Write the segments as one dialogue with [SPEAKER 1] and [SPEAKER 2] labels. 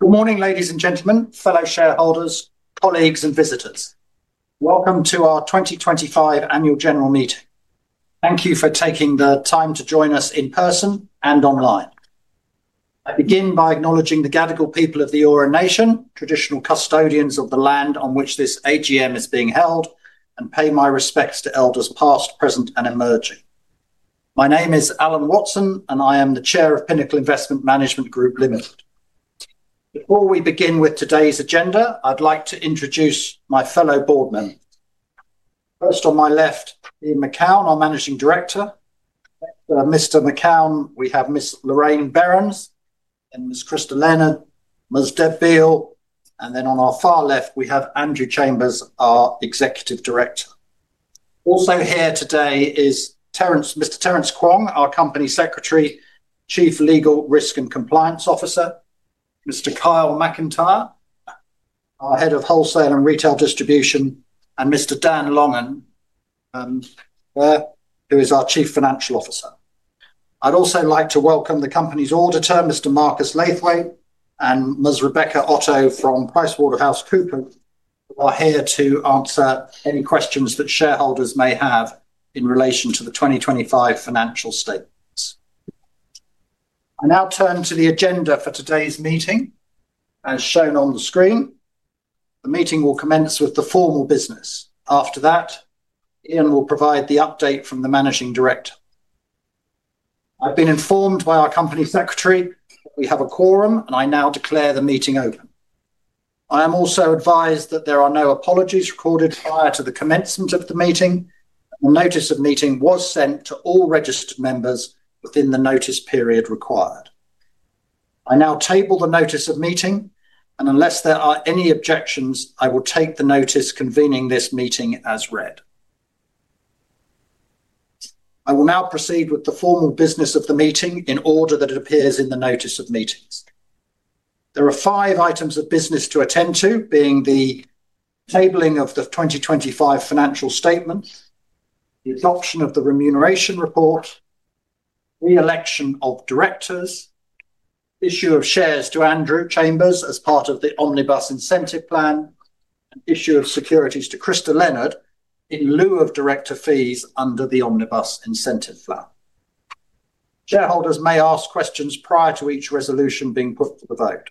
[SPEAKER 1] Good morning, ladies and gentlemen, fellow shareholders, colleagues, and visitors. Welcome to our 2025 Annual General Meeting. Thank you for taking the time to join us in person and online. I begin by acknowledging the Gadigal people of the Eora Nation, traditional custodians of the land on which this AGM is being held, and pay my respects to Elders past, present, and emerging. My name is Alan Watson, and I am the Chair of Pinnacle Investment Management Group Ltd. Before we begin with today's agenda, I'd like to introduce my fellow board members. First, on my left, Ian Macoun, our Managing Director. Next to Mr. Macoun, we have Ms. Lorraine Berrends, then Ms. Christa Leonard, Ms. Deb Beale, and then on our far left, we have Andrew Chambers, our Executive Director. Also here today is Mr. Terence Kwong, our Company Secretary, Chief Legal Risk and Compliance Officer, Mr. Kyle Macintyre, our Head of Wholesale and Retail Distribution, and Mr. Dan Longan, who is our Chief Financial Officer. I'd also like to welcome the Company's Auditor, Mr. Marcus Laithwaite, and Ms. Rebecca Otto from PricewaterhouseCoopers, who are here to answer any questions that shareholders may have in relation to the 2025 financial statements. I now turn to the agenda for today's meeting. As shown on the screen, the meeting will commence with the formal business. After that, Ian will provide the update from the Managing Director. I've been informed by our Company Secretary that we have a quorum, and I now declare the meeting open. I am also advised that there are no apologies recorded prior to the commencement of the meeting, and the Notice of Meeting was sent to all registered members within the notice period required. I now table the Notice of Meeting, and unless there are any objections, I will take the Notice convening this meeting as read. I will now proceed with the formal business of the meeting in the order that it appears in the Notice of Meeting. There are five items of business to attend to, being the tabling of the 2025 financial statements, the adoption of the remuneration report, re-election of directors, issue of shares to Andrew Chambers as part of the Omnibus Incentive Plan, and issue of securities to Christa Leonard in lieu of director fees under the Omnibus Incentive Plan. Shareholders may ask questions prior to each resolution being put to the vote.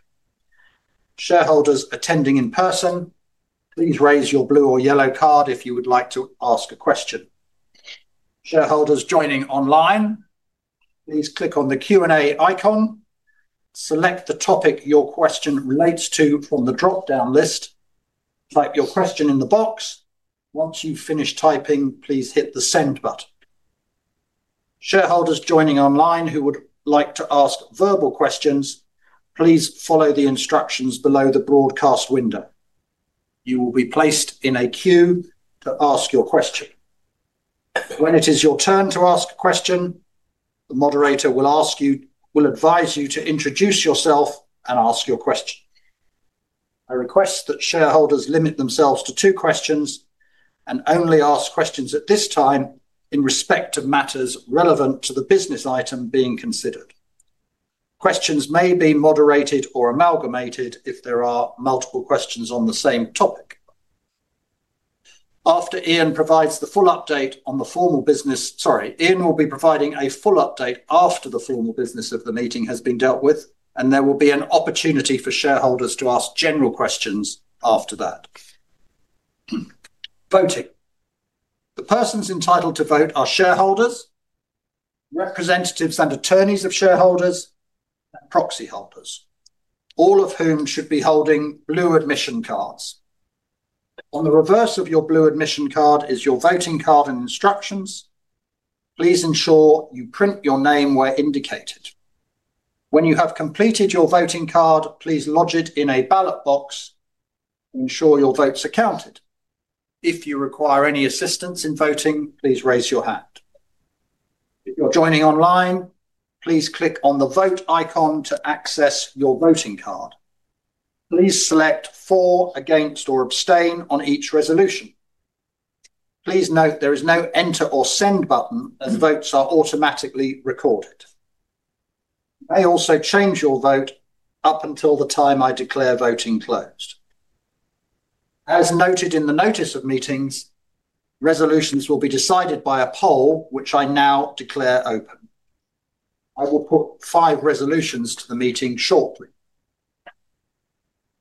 [SPEAKER 1] Shareholders attending in person, please raise your blue or yellow card if you would like to ask a question. Shareholders joining online, please click on the Q&A icon. Select the topic your question relates to from the drop-down list. Type your question in the box. Once you finish typing, please hit the Send button. Shareholders joining online who would like to ask verbal questions, please follow the instructions below the broadcast window. You will be placed in a queue to ask your question. When it is your turn to ask a question, the moderator will advise you to introduce yourself and ask your question. I request that shareholders limit themselves to two questions and only ask questions at this time in respect of matters relevant to the business item being considered. Questions may be moderated or amalgamated if there are multiple questions on the same topic. After Ian provides the full update on the formal business, Ian will be providing a full update after the formal business of the meeting has been dealt with, and there will be an opportunity for shareholders to ask general questions after that. Voting. The persons entitled to vote are shareholders, representatives and attorneys of shareholders, and proxy holders, all of whom should be holding blue admission cards. On the reverse of your blue admission card is your voting card and instructions. Please ensure you print your name where indicated. When you have completed your voting card, please lodge it in a ballot box. Ensure your votes are counted. If you require any assistance in voting, please raise your hand. If you're joining online, please click on the vote icon to access your voting card. Please select For, Against, or Abstain on each resolution. Please note there is no Enter or Send button as votes are automatically recorded. You may also change your vote up until the time I declare voting closed. As noted in the Notice of Meetings, resolutions will be decided by a poll, which I now declare open. I will put five resolutions to the meeting shortly.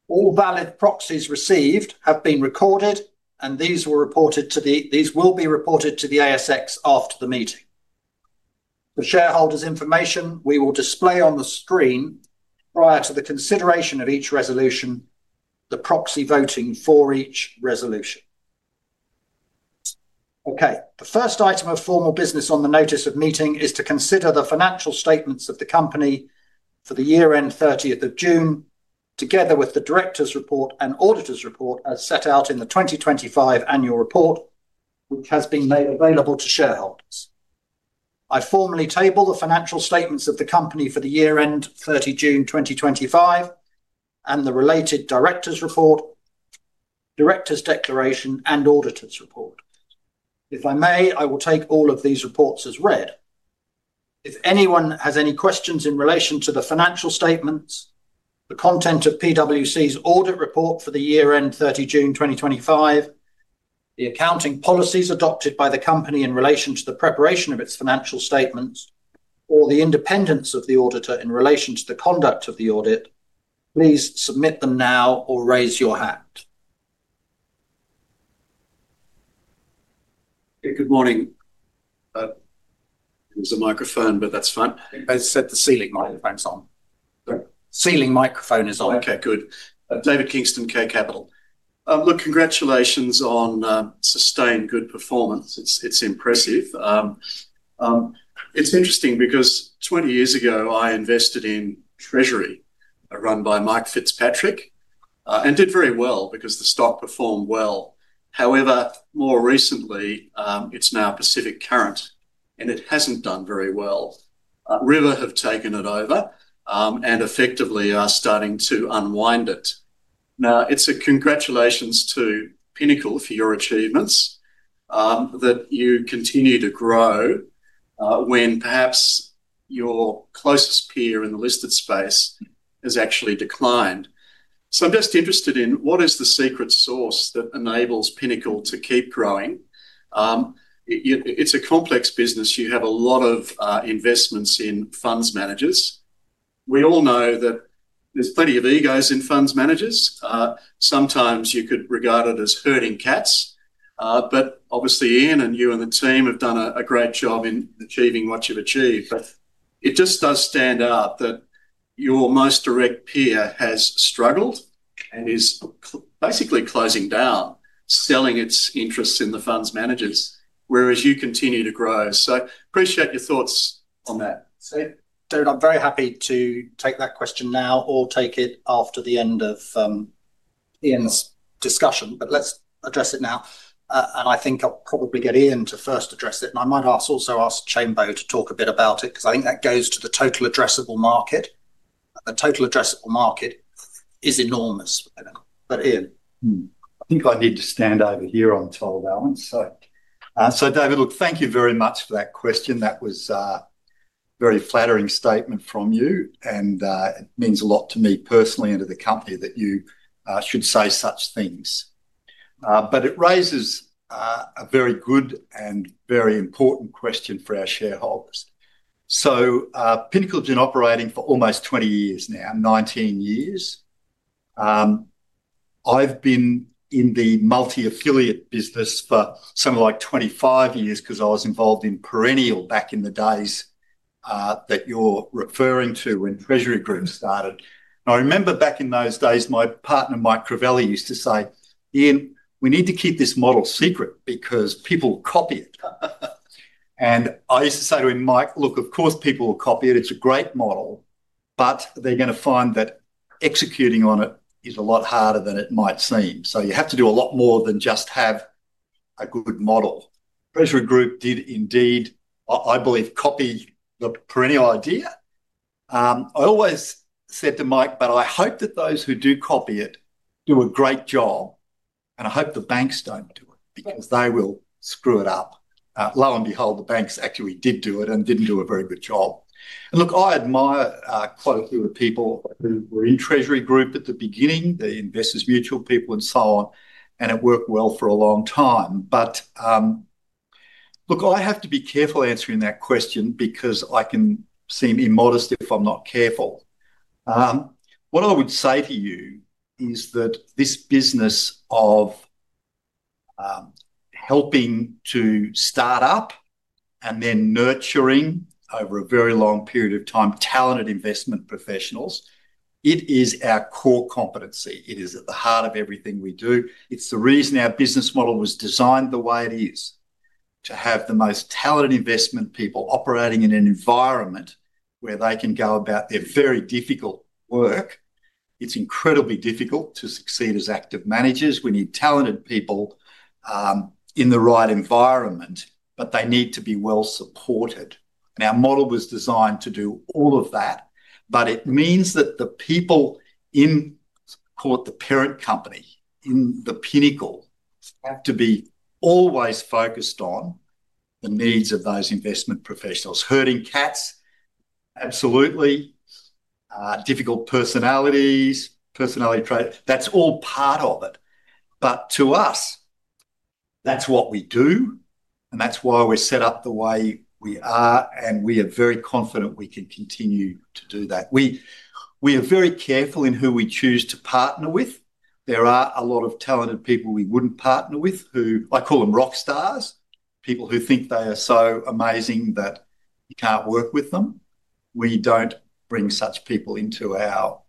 [SPEAKER 1] All valid proxies received have been recorded, and these will be reported to the ASX after the meeting. For shareholders' information, we will display on the screen prior to the consideration of each resolution the proxy voting for each resolution. Okay. The first item of formal business on the Notice of Meeting is to consider the financial statements of the company for the year-end 30th of June, together with the director's report and auditor's report as set out in the 2025 Annual Report, which has been made available to shareholders. I formally table the financial statements of the company for the year-end 30 June 2025, and the related director's report, director's declaration, and auditor's report. If I may, I will take all of these reports as read. If anyone has any questions in relation to the financial statements, the content of PwC's audit report for the year-end 30 June 2025, the accounting policies adopted by the company in relation to the preparation of its financial statements, or the independence of the auditor in relation to the conduct of the audit, please submit them now or raise your hand.
[SPEAKER 2] Good morning. It was a microphone, but that's fine. I set the ceiling microphones on.
[SPEAKER 1] Ceiling microphone is on.
[SPEAKER 2] Okay, good. David Kingston, K Capital. Congratulations on sustained good performance. It's impressive. It's interesting because 20 years ago, I invested in Treasury run by Mike Fitzpatrick and did very well because the stock performed well. However, more recently, it's now Pacific Current, and it hasn't done very well. River have taken it over and effectively are starting to unwind it. Congratulations to Pinnacle for your achievements, that you continue to grow when perhaps your closest peer in the listed space has actually declined. I'm just interested in what is the secret sauce that enables Pinnacle to keep growing? It's a complex business. You have a lot of investments in funds managers. We all know that there's plenty of egos in funds managers. Sometimes you could regard it as herding cats. Obviously, Ian and you and the team have done a great job in achieving what you've achieved. It just does stand out that your most direct peer has struggled and is basically closing down, selling its interests in the funds managers, whereas you continue to grow. Appreciate your thoughts on that.
[SPEAKER 1] David, I'm very happy to take that question now or take it after the end of Ian's discussion, but let's address it now. I think I'll probably get Ian to first address it, and I might also ask Andrew Chambers to talk a bit about it because I think that goes to the total addressable market. The total addressable market is enormous. But Ian.
[SPEAKER 3] I think I need to stand over here on total balance. David, thank you very much for that question. That was a very flattering statement from you, and it means a lot to me personally and to the company that you should say such things. It raises a very good and very important question for our shareholders. Pinnacle's been operating for almost 20 years now, 19 years. I've been in the multi-affiliate business for something like 25 years because I was involved in Perennial back in the days that you're referring to when Treasury Group started. I remember back in those days, my partner, Mike Crivelli, used to say, "Ian, we need to keep this model secret because people will copy it." I used to say to him, "Mike, look, of course people will copy it. It's a great model, but they're going to find that executing on it is a lot harder than it might seem." You have to do a lot more than just have a good model. Treasury Group did indeed, I believe, copy the Perennial idea. I always said to Mike, "But I hope that those who do copy it do a great job, and I hope the banks don't do it because they will screw it up." Lo and behold, the banks actually did do it and didn't do a very good job. I admire quite a few of the people who were in Treasury Group at the beginning, the Investors Mutual people and so on, and it worked well for a long time. I have to be careful answering that question because I can seem immodest if I'm not careful. What I would say to you is that this business of helping to start up and then nurturing over a very long period of time talented investment professionals, it is our core competency. It is at the heart of everything we do. It's the reason our business model was designed the way it is, to have the most talented investment people operating in an environment where they can go about their very difficult work. It's incredibly difficult to succeed as active managers. We need talented people in the right environment, but they need to be well-supported. Our model was designed to do all of that, but it means that the people in, call it the parent company in Pinnacle, have to be always focused on the needs of those investment professionals. Herding cats, absolutely. Difficult personalities, personality traits, that's all part of it. To us, that's what we do. That's why we're set up the way we are, and we are very confident we can continue to do that. We are very careful in who we choose to partner with. There are a lot of talented people we wouldn't partner with who, I call them rock stars, people who think they are so amazing that you can't work with them. We don't bring such people into our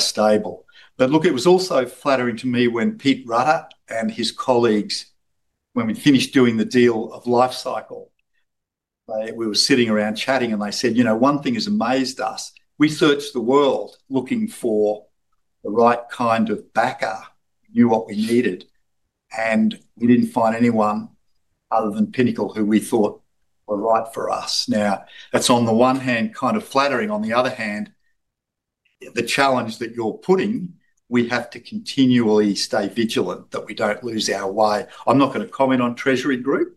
[SPEAKER 3] stable. It was also flattering to me when Pete Rutter and his colleagues, when we finished doing the deal of Life Cycle Investment Partners. We were sitting around chatting, and they said, "You know, one thing has amazed us. We searched the world looking for the right kind of backer, knew what we needed, and we didn't find anyone other than Pinnacle who we thought were right for us." That's on the one hand kind of flattering. On the other hand, the challenge that you're putting, we have to continually stay vigilant that we don't lose our way. I'm not going to comment on Treasury Group.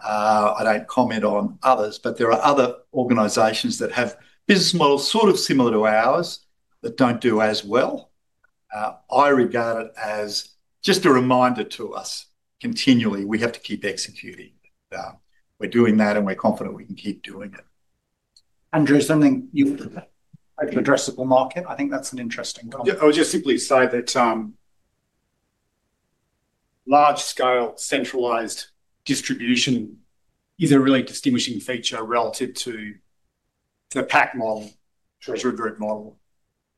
[SPEAKER 3] I don't comment on others, but there are other organizations that have business models sort of similar to ours that don't do as well. I regard it as just a reminder to us continually, we have to keep executing. We're doing that, and we're confident we can keep doing it.
[SPEAKER 1] Andrew, something you would addressable market? I think that's an interesting one.
[SPEAKER 4] I would just simply say that large-scale centralized distribution is a really distinguishing feature relative to the PAC model, Treasury Group model.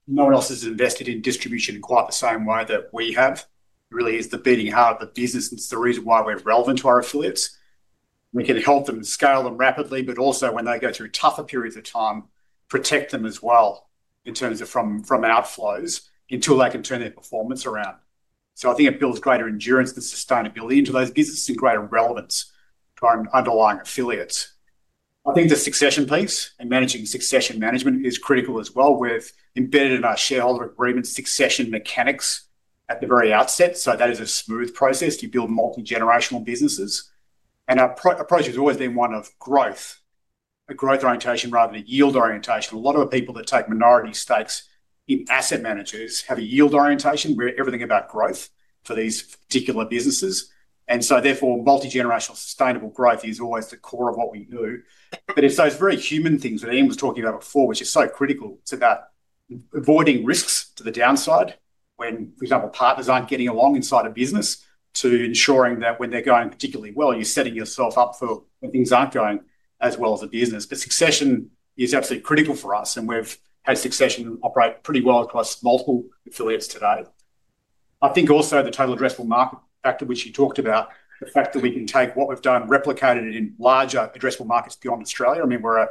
[SPEAKER 4] No one else has invested in distribution in quite the same way that we have. It really is the beating heart of the business, and it's the reason why we're relevant to our affiliates. We can help them scale rapidly, but also when they go through tougher periods of time, protect them as well in terms of from outflows until they can turn their performance around. I think it builds greater endurance and sustainability into those businesses and greater relevance to our underlying affiliates. I think the succession piece and managing succession management is critical as well. We've embedded in our shareholder agreements succession mechanics at the very outset, so that is a smooth process. You build multi-generational businesses. Our approach has always been one of growth, a growth orientation rather than a yield orientation. A lot of the people that take minority stakes in asset managers have a yield orientation, where everything about growth for these particular businesses. Therefore, multi-generational sustainable growth is always the core of what we do. It's those very human things that Ian Macoun was talking about before, which is so critical. It's about avoiding risks to the downside when, for example, partners aren't getting along inside a business to ensuring that when they're going particularly well, you're setting yourself up for when things aren't going as well as a business. Succession is absolutely critical for us, and we've had succession operate pretty well across multiple affiliates today. I think also the total addressable market factor, which you talked about, the fact that we can take what we've done, replicate it in larger addressable markets beyond Australia. I mean, we're a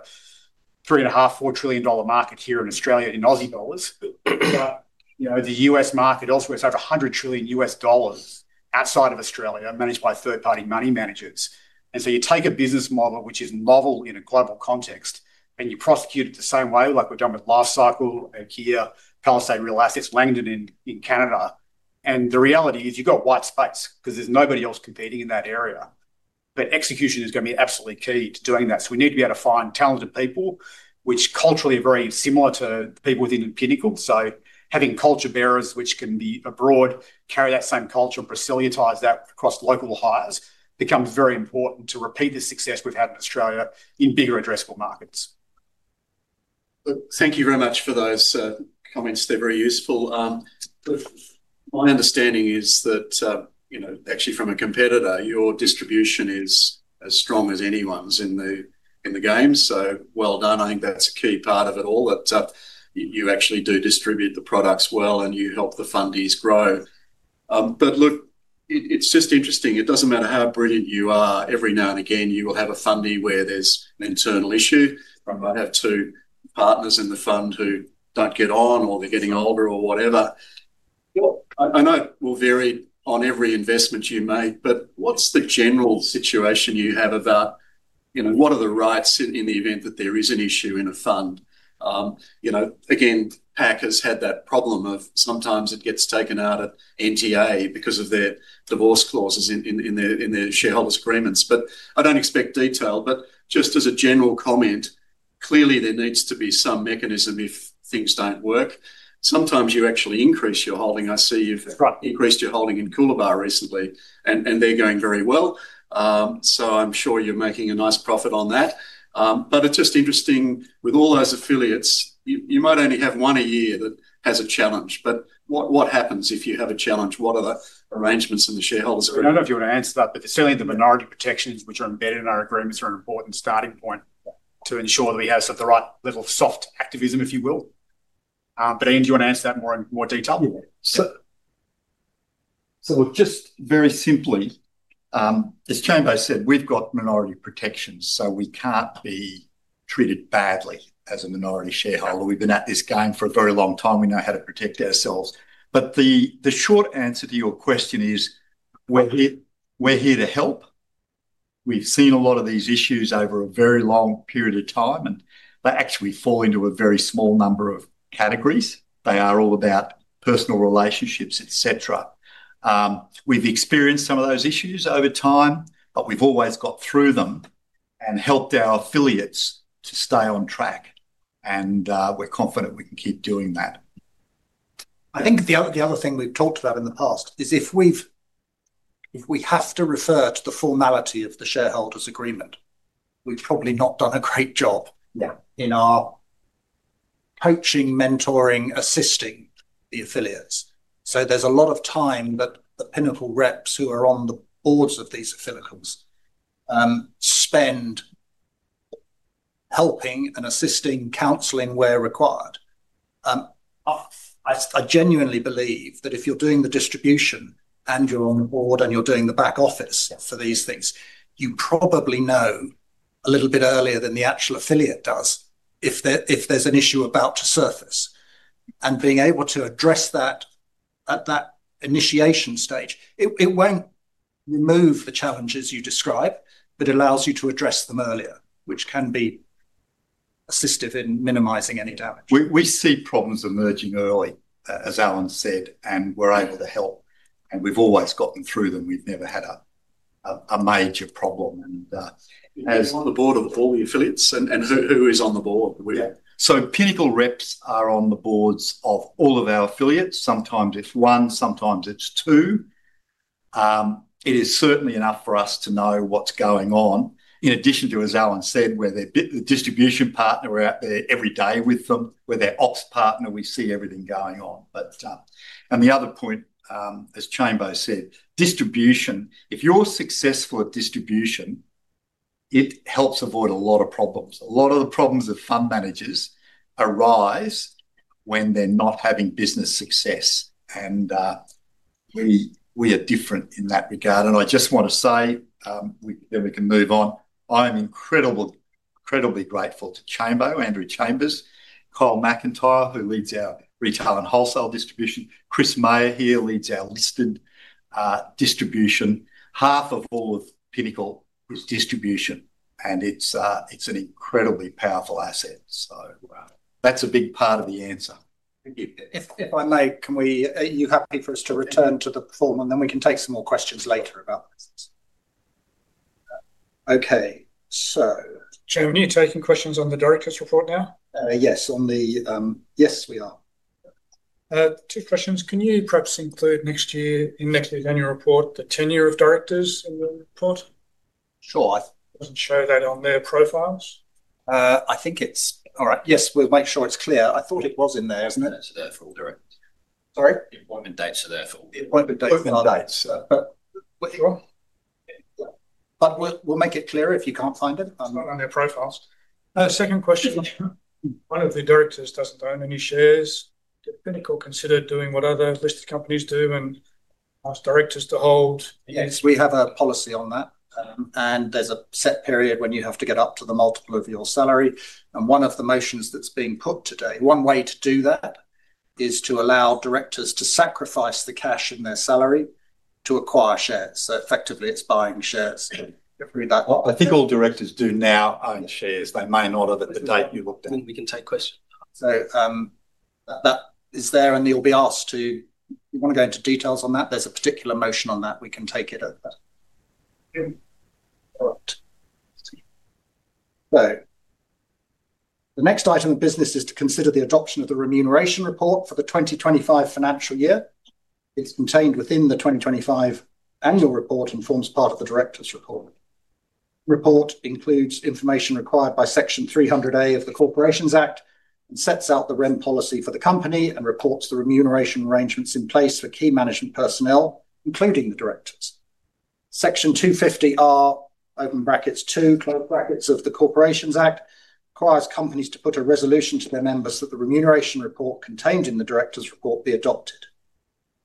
[SPEAKER 4] 3.5 trillion, 4 trillion dollar market here in Australia in Aussie dollars, but the U.S. market elsewhere is over $100 trillion U.S. dollars outside of Australia, managed by third-party money managers. You take a business model which is novel in a global context, and you prosecute it the same way like we've done with Life Cycle, IKEA, Palestine Real Assets, Langdon in Canada. The reality is you've got white space because there's nobody else competing in that area. Execution is going to be absolutely key to doing that. We need to be able to find talented people, which culturally are very similar to the people within Pinnacle. Having culture bearers, which can be abroad, carry that same culture and facilitate that across local hires becomes very important to repeat the success we've had in Australia in bigger addressable markets.
[SPEAKER 2] Thank you very much for those comments. They're very useful. My understanding is that actually from a competitor, your distribution is as strong as anyone's in the game. So well done. I think that's a key part of it all, that you actually do distribute the products well and you help the fundies grow. It's just interesting. It doesn't matter how brilliant you are, every now and again, you will have a fundie where there's an internal issue. I have two partners in the fund who don't get on or they're getting older or whatever. I know it will vary on every investment you make, but what's the general situation you have about what are the rights in the event that there is an issue in a fund? Again, PAC has had that problem of sometimes it gets taken out at NTA because of their divorce clauses in their shareholders' agreements. I don't expect detail, but just as a general comment, clearly there needs to be some mechanism if things don't work. Sometimes you actually increase your holding. I see you've increased your holding in Coolabah recently, and they're going very well. I'm sure you're making a nice profit on that. It's just interesting with all those affiliates, you might only have one a year that has a challenge. What happens if you have a challenge? What are the arrangements in the shareholders' agreement?
[SPEAKER 4] I don't know if you want to answer that, but certainly the minority protections which are embedded in our agreements are an important starting point to ensure that we have the right little soft activism, if you will. Ian, do you want to answer that more in more detail?
[SPEAKER 3] As Andrew Chambers said, we've got minority protections, so we can't be treated badly as a minority shareholder. We've been at this game for a very long time. We know how to protect ourselves. The short answer to your question is we're here to help. We've seen a lot of these issues over a very long period of time, and they actually fall into a very small number of categories. They are all about personal relationships, etc. We've experienced some of those issues over time, but we've always got through them and helped our affiliates to stay on track. We're confident we can keep doing that.
[SPEAKER 1] I think the other thing we've talked about in the past is if we have to refer to the formality of the shareholders' agreement, we've probably not done a great job. In our coaching, mentoring, assisting the affiliates, there's a lot of time that the Pinnacle reps who are on the boards of these affiliates spend helping and assisting, counseling where required. I genuinely believe that if you're doing the distribution and you're on the board and you're doing the back office for these things, you probably know a little bit earlier than the actual affiliate does if there's an issue about to surface. Being able to address that at that initiation stage, it won't remove the challenges you describe, but it allows you to address them earlier, which can be assistive in minimizing any damage.
[SPEAKER 4] We see problems emerging early, as Alan said, and we're able to help. We've always gotten through them. We've never had a major problem.
[SPEAKER 2] You're on the board of all the affiliates, and who is on the board?
[SPEAKER 3] Pinnacle reps are on the boards of all of our affiliates. Sometimes it's one, sometimes it's two. It is certainly enough for us to know what's going on. In addition to, as Alan said, where the distribution partner, we're out there every day with them, where their ops partner, we see everything going on. The other point, as Chambers said, distribution, if you're successful at distribution, it helps avoid a lot of problems. A lot of the problems of fund managers arise when they're not having business success. We are different in that regard. I just want to say, then we can move on, I am incredibly grateful to Chambers, Andrew Chambers, Kyle Macintyre, who leads our retail and wholesale distribution. Chris Meyer here leads our listed distribution. Half of all of Pinnacle is distribution, and it's an incredibly powerful asset. That's a big part of the answer.
[SPEAKER 1] If I may, are you happy for us to return to the form? We can take some more questions later about this. Okay. Chambers, are you taking questions on the Director's Report now? Yes, we are. Two questions. Can you perhaps include next year in your report the tenure of directors in the report? Sure. Doesn't show that on their profiles. I think it's all right. Yes, we'll make sure it's clear. I thought it was in there, isn't it?
[SPEAKER 3] Employment dates are there for all directors. Sorry? Employment dates are there for all.
[SPEAKER 1] Employment dates are there. Employment dates. Sure, we'll make it clearer if you can't find it. It's not on their profiles. Second question. One of the directors doesn't own any shares. Does Pinnacle consider doing what other listed companies do and ask directors to hold? Yes, we have a policy on that. There is a set period when you have to get up to the multiple of your salary. One of the motions that's being put today, one way to do that is to allow directors to sacrifice the cash in their salary to acquire shares. Effectively, it's buying shares.
[SPEAKER 3] I think all directors do now own shares. They may not have at the date you looked at. We can take questions.
[SPEAKER 1] That is there, and you'll be asked to, if you want to go into details on that, there's a particular motion on that. We can take it at that. All right. The next item of business is to consider the adoption of the remuneration report for the 2025 financial year. It's contained within the 2025 annual report and forms part of the director's report. The report includes information required by Section 300A of the Corporations Act and sets out the REM policy for the company and reports the remuneration arrangements in place for key management personnel, including the directors. Section 250R(2) of the Corporations Act requires companies to put a resolution to their members that the remuneration report contained in the director's report be adopted.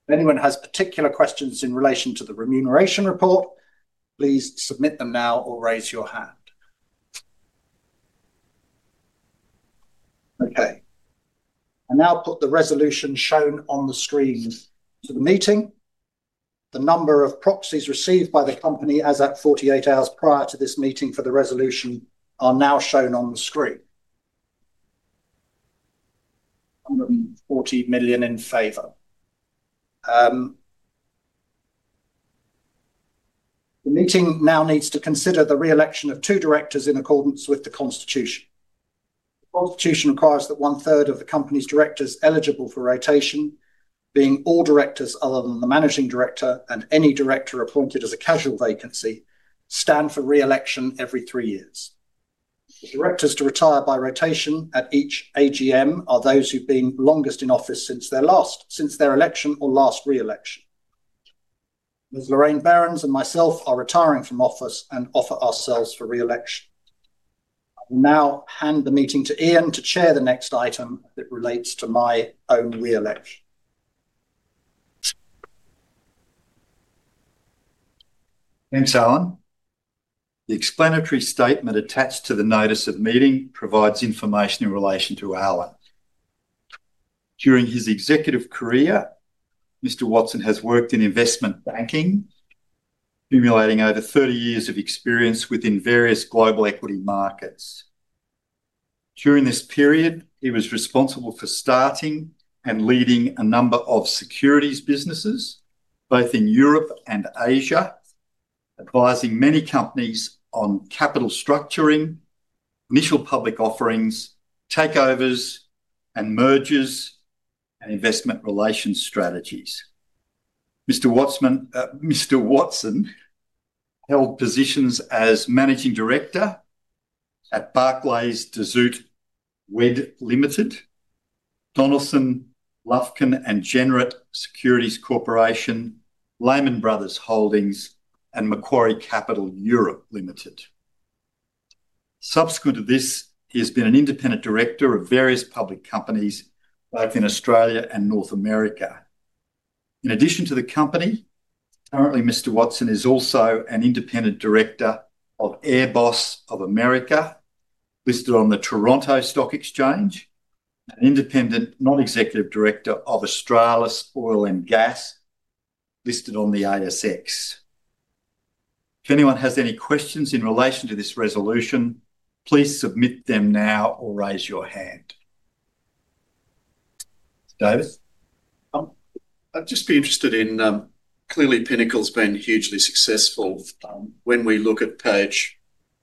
[SPEAKER 1] If anyone has particular questions in relation to the remuneration report, please submit them now or raise your hand. I now put the resolution shown on the screen to the meeting. The number of proxies received by the company as at 48 hours prior to this meeting for the resolution are now shown on the screen. 140 million in favor. The meeting now needs to consider the re-election of two directors in accordance with the Constitution. The Constitution requires that one-third of the company's directors eligible for rotation, being all directors other than the Managing Director and any director appointed as a casual vacancy, stand for re-election every three years. Directors to retire by rotation at each AGM are those who've been longest in office since their election or last re-election. Ms. Lorraine and myself are retiring from office and offer ourselves for re-election. I will now hand the meeting to Ian to chair the next item that relates to my own re-election.
[SPEAKER 3] Thanks, Alan. The explanatory statement attached to the notice of meeting provides information in relation to Alan. During his executive career, Mr. Watson has worked in investment banking, accumulating over 30 years of experience within various global equity markets. During this period, he was responsible for starting and leading a number of securities businesses, both in Europe and Asia, advising many companies on capital structuring, initial public offerings, takeovers, mergers, and investment relations strategies. Mr. Watson held positions as Managing Director at Barclays de Zoete Wedd Limited, Donaldson, Lufkin & Jenrette Securities Corporation, Lehman Brothers Holdings, and Macquarie Capital Europe Limited. Subsequent to this, he has been an independent director of various public companies both in Australia and North America. In addition to the company, currently, Mr. Watson is also an independent director of Airbus of America, listed on the Toronto Stock Exchange, and an independent non-executive director of Australis Oil and Gas, listed on the ASX. If anyone has any questions in relation to this resolution, please submit them now or raise your hand. David?
[SPEAKER 2] I'd just be interested in, clearly, Pinnacle's been hugely successful. When we look at page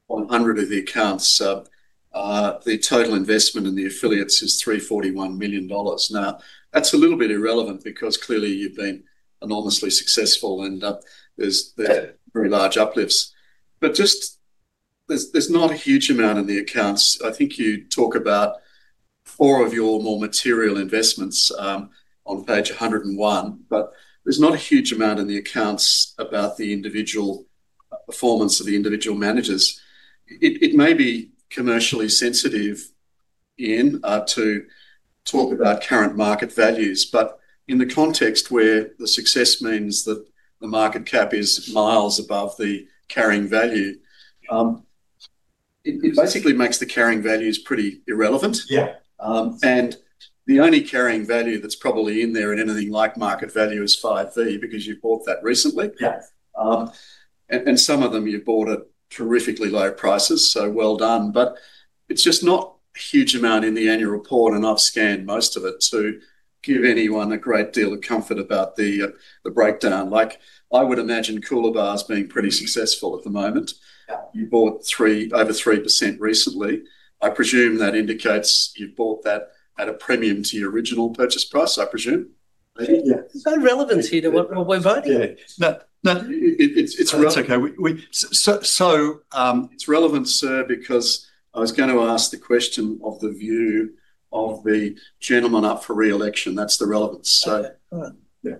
[SPEAKER 2] 100 of the accounts, the total investment in the affiliates is 341 million dollars. Now, that's a little bit irrelevant because clearly you've been enormously successful and there's very large uplifts. There's not a huge amount in the accounts. I think you talk about four of your more material investments on page 101, but there's not a huge amount in the accounts about the performance of the individual managers. It may be commercially sensitive, Ian, to talk about current market values, but in the context where the success means that the market cap is miles above the carrying value, it basically makes the carrying values pretty irrelevant. The only carrying value that's probably in there in anything like market value is Five V because you've bought that recently. Some of them, you bought at terrifically low prices, so well done. It's just not a huge amount in the annual report, and I've scanned most of it to give anyone a great deal of comfort about the breakdown. I would imagine Coolabah's being pretty successful at the moment. You bought over 3% recently. I presume that indicates you've bought that at a premium to your original purchase price, I presume.
[SPEAKER 1] It's no relevance here to what we're voting on.
[SPEAKER 2] It's relevance, okay. It's relevance because I was going to ask the question of the view of the gentleman up for re-election. That's the relevance.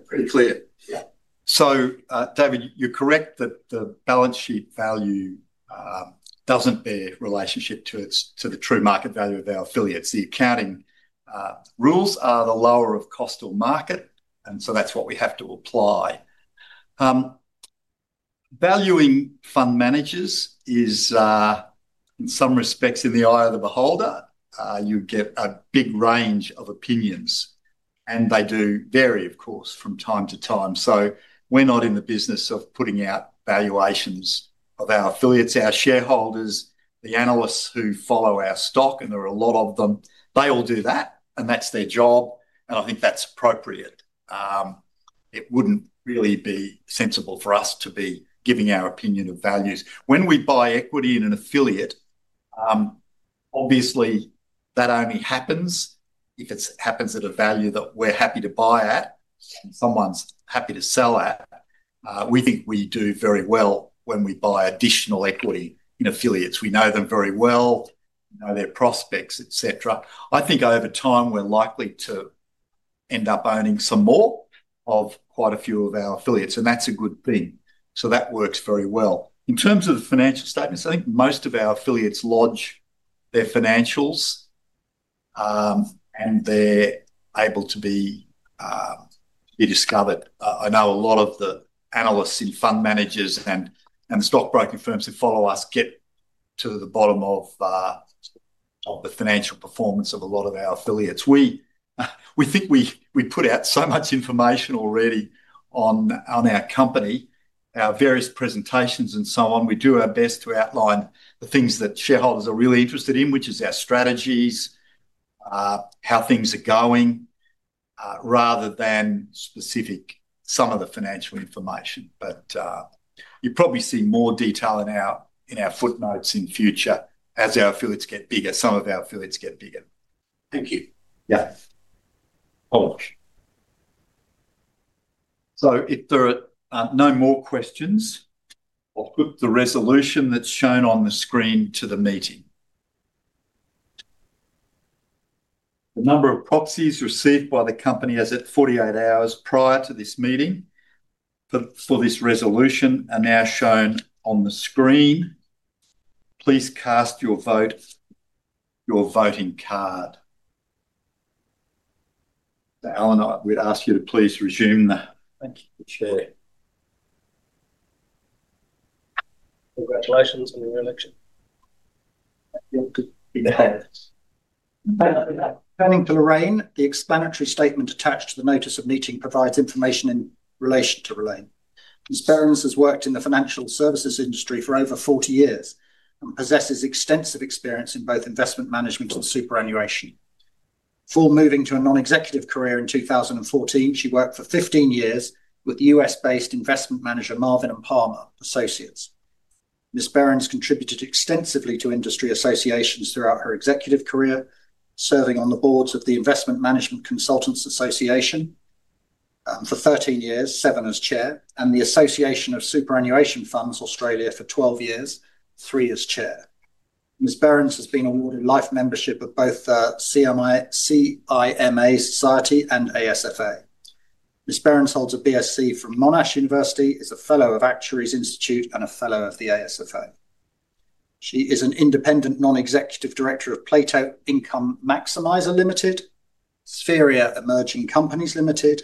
[SPEAKER 2] Pretty clear.
[SPEAKER 3] David, you're correct that the balance sheet value doesn't bear relationship to the true market value of our affiliates. The accounting rules are the lower of cost or market, and that's what we have to apply. Valuing fund managers is, in some respects, in the eye of the beholder. You get a big range of opinions, and they do vary, of course, from time to time. We're not in the business of putting out valuations of our affiliates. Our shareholders, the analysts who follow our stock, and there are a lot of them, they all do that, and that's their job, and I think that's appropriate. It wouldn't really be sensible for us to be giving our opinion of values. When we buy equity in an affiliate, obviously, that only happens if it happens at a value that we're happy to buy at and someone's happy to sell at. We think we do very well when we buy additional equity in affiliates. We know them very well. We know their prospects, etc. I think over time, we're likely to end up owning some more of quite a few of our affiliates, and that's a good thing. That works very well. In terms of the financial statements, I think most of our affiliates lodge their financials, and they're able to be discovered. I know a lot of the analysts in fund managers and stock-broking firms who follow us get to the bottom of the financial performance of a lot of our affiliates. We think we put out so much information already on our company, our various presentations, and so on. We do our best to outline the things that shareholders are really interested in, which is our strategies, how things are going, rather than specific some of the financial information. You'll probably see more detail in our footnotes in future as our affiliates get bigger, some of our affiliates get bigger.
[SPEAKER 2] Thank you.
[SPEAKER 3] Yes. If there are no more questions, I'll put the resolution that's shown on the screen to the meeting. The number of proxies received by the company as at 48 hours prior to this meeting for this resolution are now shown on the screen. Please cast your vote using your voting card. Alan, I would ask you to please resume the chair.
[SPEAKER 1] Thank you.
[SPEAKER 3] Congratulations on your election.
[SPEAKER 1] Thank you. Turning to Lorraine, the explanatory statement attached to the notice of meeting provides information in relation to Lorraine. Ms. Berrends has worked in the financial services industry for over 40 years and possesses extensive experience in both investment management and superannuation. Before moving to a non-executive career in 2014, she worked for 15 years with U.S.-based investment manager Marvin & Palmer Associates. Ms. Berrends contributed extensively to industry associations throughout her executive career, serving on the boards of the Investment Management Consultants Association for 13 years, 7 as Chair, and the Association of Superannuation Funds Australia for 12 years, 3 as Chair. Ms. Berrends has been awarded life membership of both the CIMA Society and ASFA. Ms. Berrends holds a BSc from Monash University, is a Fellow of Actuaries Institute, and a Fellow of the ASFA. She is an independent Non-Executive Director of Plato Income Maximiser Limited, Spheria Emerging Companies Limited,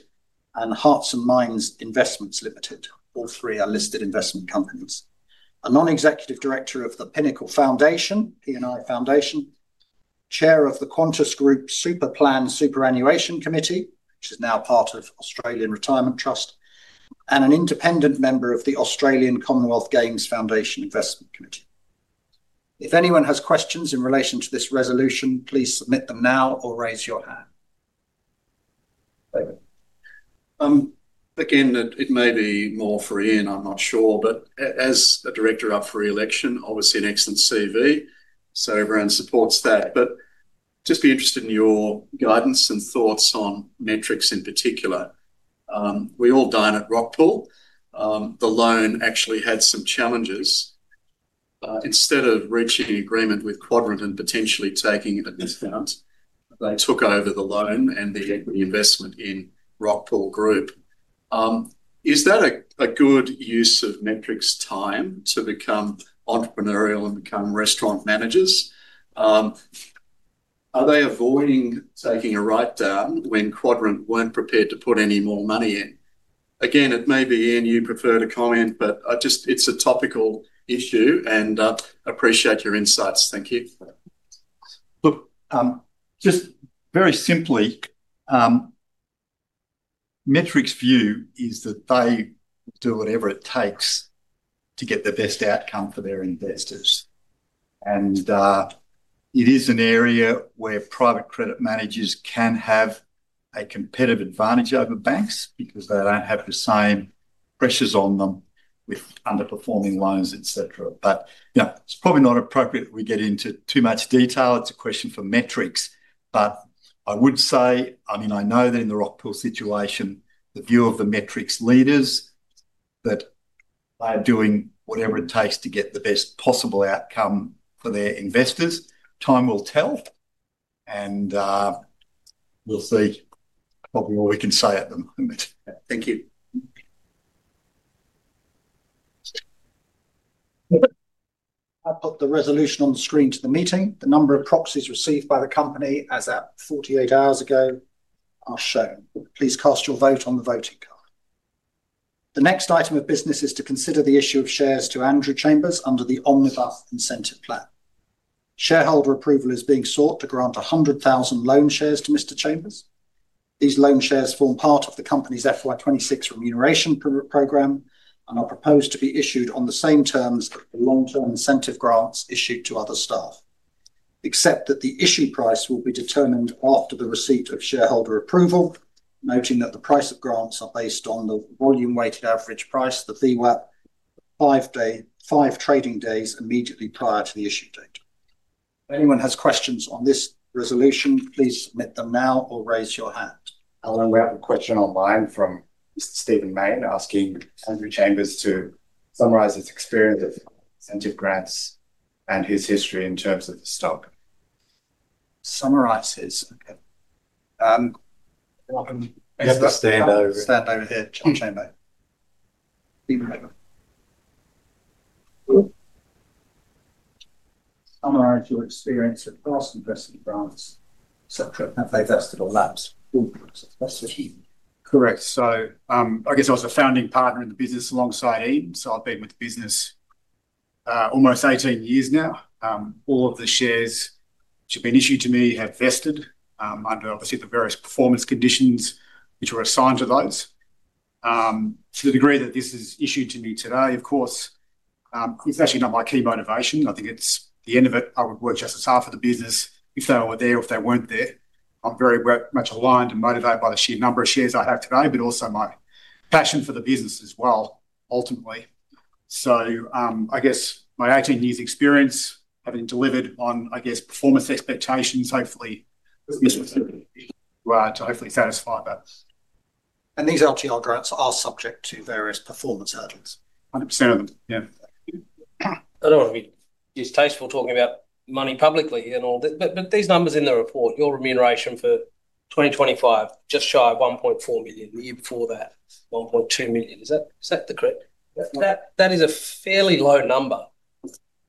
[SPEAKER 1] and Hearts and Minds Investments Limited. All three are listed investment companies. She is a Non-Executive Director of the Pinnacle Foundation, PNI Foundation, Chair of the Qantas Group Super Plan Superannuation Committee, which is now part of Australian Retirement Trust, and an independent member of the Australian Commonwealth Games Foundation Investment Committee. If anyone has questions in relation to this resolution, please submit them now or raise your hand.
[SPEAKER 2] Again, it may be more for Ian. I'm not sure, but as a Director up for re-election, obviously an excellent CV. Everyone supports that. Just be interested in your guidance and thoughts on Metrics in particular. We all dine at Rockpool. The loan actually had some challenges. Instead of reaching an agreement with Quadrant and potentially taking it at this point, they took over the loan and the equity investment in Rockpool Group. Is that a good use of Metrics' time to become entrepreneurial and become restaurant managers? Are they avoiding taking a write-down when Quadrant weren't prepared to put any more money in? Again, it may be, Ian, you prefer to comment, but it's a topical issue and I appreciate your insights. Thank you.
[SPEAKER 3] Just very simply, Metrics' view is that they will do whatever it takes to get the best outcome for their investors. It is an area where private credit managers can have a competitive advantage over banks because they don't have the same pressures on them with underperforming loans, etc. It's probably not appropriate that we get into too much detail. It's a question for Metrics. I would say, I know that in the Rockpool situation, the view of the Metrics leaders is that they're doing whatever it takes to get the best possible outcome for their investors. Time will tell. We'll see probably what we can say at the moment.
[SPEAKER 2] Thank you.
[SPEAKER 1] I'll put the resolution on the screen to the meeting. The number of proxies received by the company as at 48 hours ago are shown. Please cast your vote on the voting card. The next item of business is to consider the issue of shares to Andrew Chambers under the Omnibus Incentive Plan. Shareholder approval is being sought to grant 100,000 loan shares to Mr. Chambers. These loan shares form part of the company's FY 2026 remuneration program and are proposed to be issued on the same terms as the long-term incentive grants issued to other staff, except that the issue price will be determined after the receipt of shareholder approval, noting that the price of grants are based on the volume-weighted average price, the VWAP, five trading days immediately prior to the issue date. If anyone has questions on this resolution, please submit them now or raise your hand. Alan, we have a question online from Mr. Stephen Maine asking Mr. Chambers to summarize his experience of incentive grants and his history in terms of the stock. Summarise his. You have to stand over here. Stand over here, Andrew Chambers. Summarize your experience across investment grants, etc. Have they vested or lapsed?
[SPEAKER 4] Correct. I guess I was a founding partner in the business alongside Ian. I've been with the business almost 18 years now. All of the shares which have been issued to me have vested under, obviously, the various performance conditions which were assigned to those. To the degree that this is issued to me today, of course, it's actually not my key motivation. I think it's the end of it. I would work just as hard for the business if they were there, if they weren't there. I'm very much aligned and motivated by the sheer number of shares I have today, but also my passion for the business as well, ultimately. I guess my 18 years' experience having delivered on, I guess, performance expectations, hopefully, to hopefully satisfy that.
[SPEAKER 1] These LTR grants are subject to various performance hurdles.
[SPEAKER 4] 100% of them, yeah. I don't want to be distasteful talking about money publicly and all, but these numbers in the report, your remuneration for 2025, just shy of 1.4 million, the year before that, 1.2 million. Is that correct? That is a fairly low number,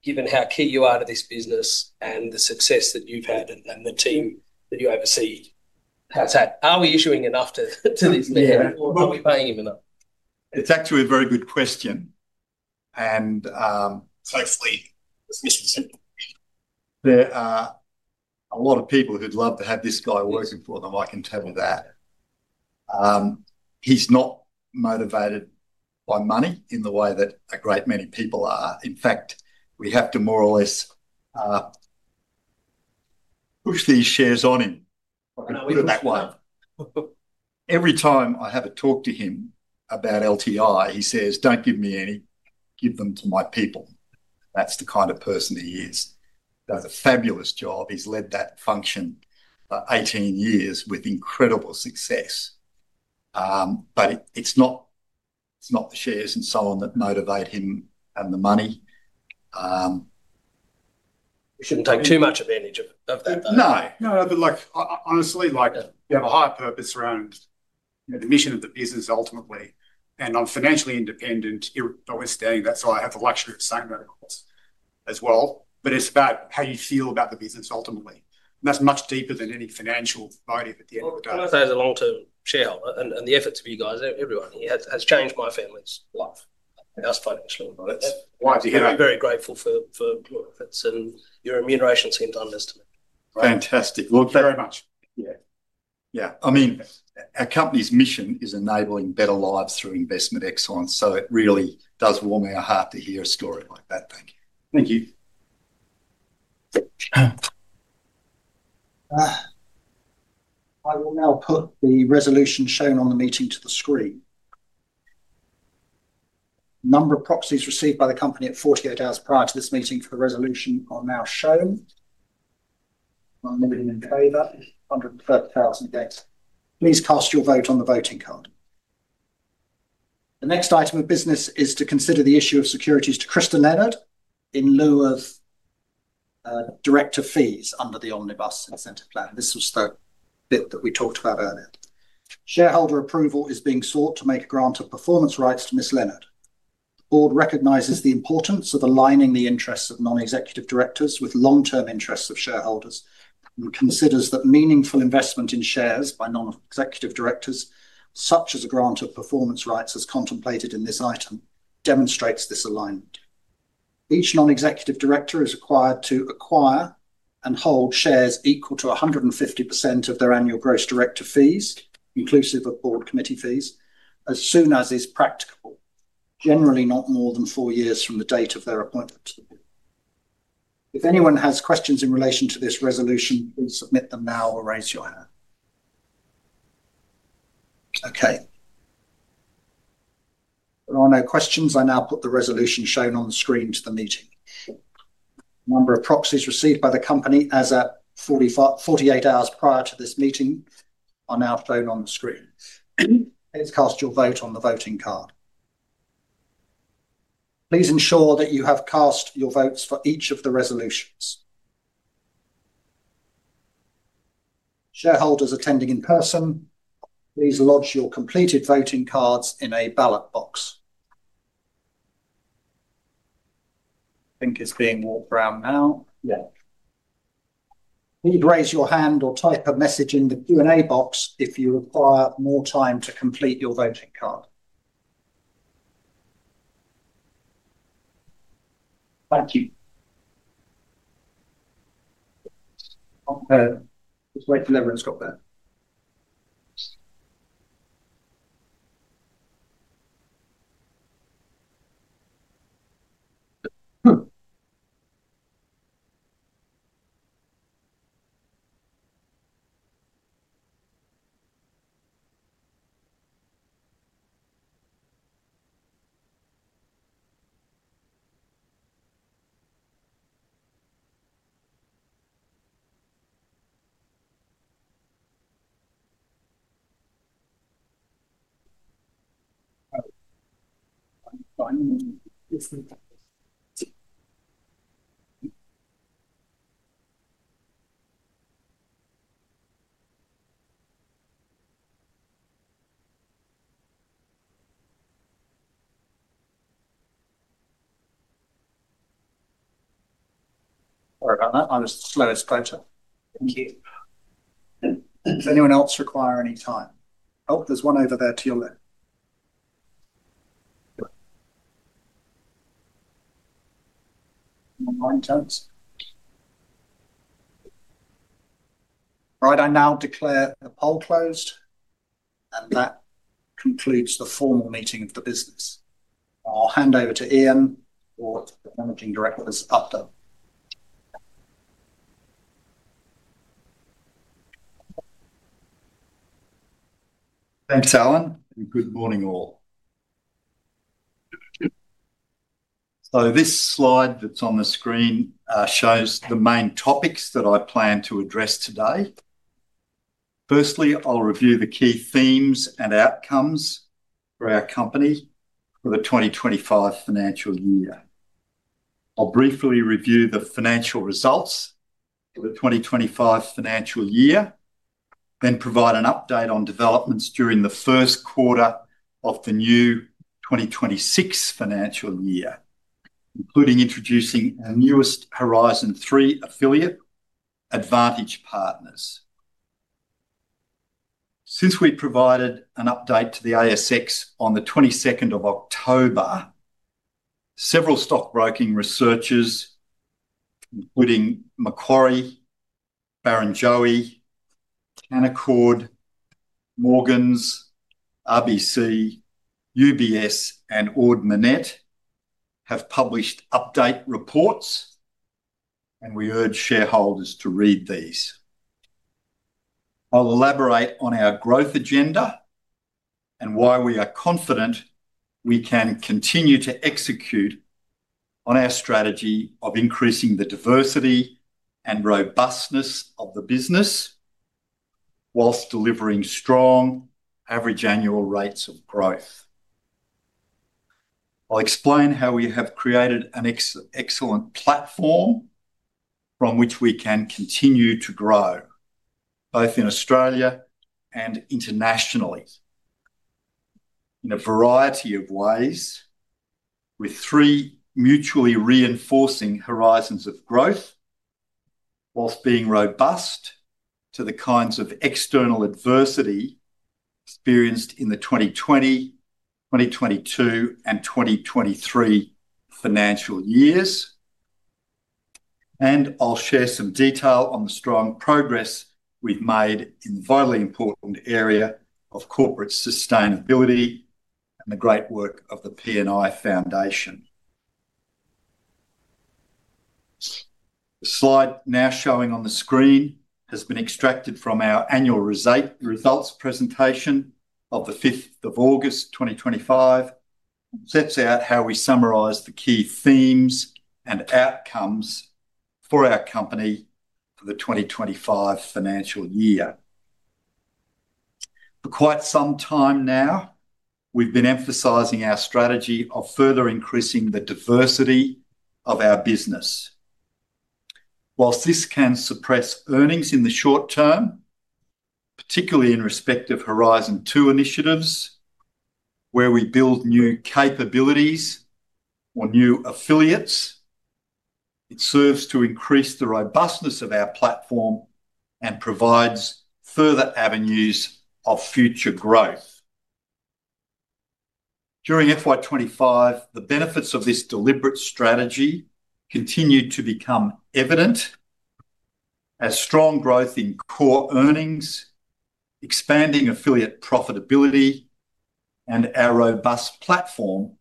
[SPEAKER 4] given how key you are to this business and the success that you've had and the team that you oversee. How's that? Are we issuing enough to this level? Are we paying him enough?
[SPEAKER 3] It's actually a very good question. Hopefully. There are a lot of people who'd love to have this guy working for them. I can tell you that. He's not motivated by money in the way that a great many people are. In fact, we have to more or less push these shares on him. Put it that way. Every time I have a talk to him about LTR, he says, "Don't give me any. Give them to my people." That's the kind of person he is. He does a fabulous job. He's led that function for 18 years with incredible success. It's not the shares and so on that motivate him and the money. We shouldn't take too much advantage of that. No, but honestly, you have a high purpose around the mission of the business ultimately. I'm financially independent. You always understand that, so I have the luxury of saying that, of course, as well. It's about how you feel about the business ultimately, and that's much deeper than any financial motive at the end of the day. I would say as a long-term shareholder, the efforts of you guys, everyone here, has changed my family's life. That's financially what it is. I do. I'm very grateful for your efforts, and your remuneration have done this to me. Fantastic. Thank you very much. Yeah. Yeah. I mean, our company's mission is enabling better lives through investment excellence. It really does warm our heart to hear a story like that. Thank you. Thank you.
[SPEAKER 1] I will now put the resolution shown on the meeting to the screen. Number of proxies received by the company at 48 hours prior to this meeting for the resolution are now shown. Unlimited in favor, 130,000 against. Please cast your vote on the voting card. The next item of business is to consider the issue of securities to Christa Leonard in lieu of director fees under the Omnibus Incentive Plan. This was the bit that we talked about earlier. Shareholder approval is being sought to make a grant of performance rights to Ms. Leonard. The board recognizes the importance of aligning the interests of non-executive directors with long-term interests of shareholders and considers that meaningful investment in shares by non-executive directors, such as a grant of performance rights as contemplated in this item, demonstrates this alignment. Each non-executive director is required to acquire and hold shares equal to 150% of their annual gross director fees, inclusive of board committee fees, as soon as is practicable, generally not more than four years from the date of their appointment. If anyone has questions in relation to this resolution, please submit them now or raise your hand. If there are no questions, I now put the resolution shown on the screen to the meeting. Number of proxies received by the company as at 48 hours prior to this meeting are now shown on the screen. Please cast your vote on the voting card. Please ensure that you have cast your votes for each of the resolutions. Shareholders attending in person, please lodge your completed voting cards in a ballot box. I think it's being walked around now. Yeah. Please raise your hand or type a message in the Q&A box if you require more time to complete your voting card. Thank you. Just wait till everyone's got that. All right. I'll just let us close up. Thank you. Does anyone else require any time? Oh, there's one over there to your left. All right. I now declare the poll closed. That concludes the formal meeting of the business. I'll hand over to Ian for the Managing Director's update.
[SPEAKER 3] Thanks, Alan. Good morning, all. This slide that's on the screen shows the main topics that I plan to address today. Firstly, I'll review the key themes and outcomes for our company for the 2025 financial year. I'll briefly review the financial results for the 2025 financial year, then provide an update on developments during the first quarter of the new 2026 financial year, including introducing our newest Horizon 3 affiliate, Advantage Partners. Since we provided an update to the ASX on the 22nd of October, several stock-broking researchers, including Macquarie, Barrenjoey, Canaccord, Morgans, RBC, UBS, and Ord Minnett, have published update reports. We urge shareholders to read these. I'll elaborate on our growth agenda and why we are confident we can continue to execute on our strategy of increasing the diversity and robustness of the business whilst delivering strong average annual rates of growth. I'll explain how we have created an excellent platform from which we can continue to grow, both in Australia and internationally, in a variety of ways, with three mutually reinforcing horizons of growth, whilst being robust to the kinds of external adversity experienced in the 2020, 2022, and 2023 financial years. I'll share some detail on the strong progress we've made in the vitally important area of corporate sustainability and the great work of the PNI Foundation. The slide now showing on the screen has been extracted from our annual results presentation of the 5th of August, 2025, and sets out how we summarise the key themes and outcomes for our company for the 2025 financial year. For quite some time now, we've been emphasising our strategy of further increasing the diversity of our business. Whilst this can suppress earnings in the short term, particularly in respect of Horizon 2 initiatives where we build new capabilities or new affiliates, it serves to increase the robustness of our platform and provides further avenues of future growth. During FY 2025, the benefits of this deliberate strategy continued to become evident as strong growth in core earnings, expanding affiliate profitability, and our robust platform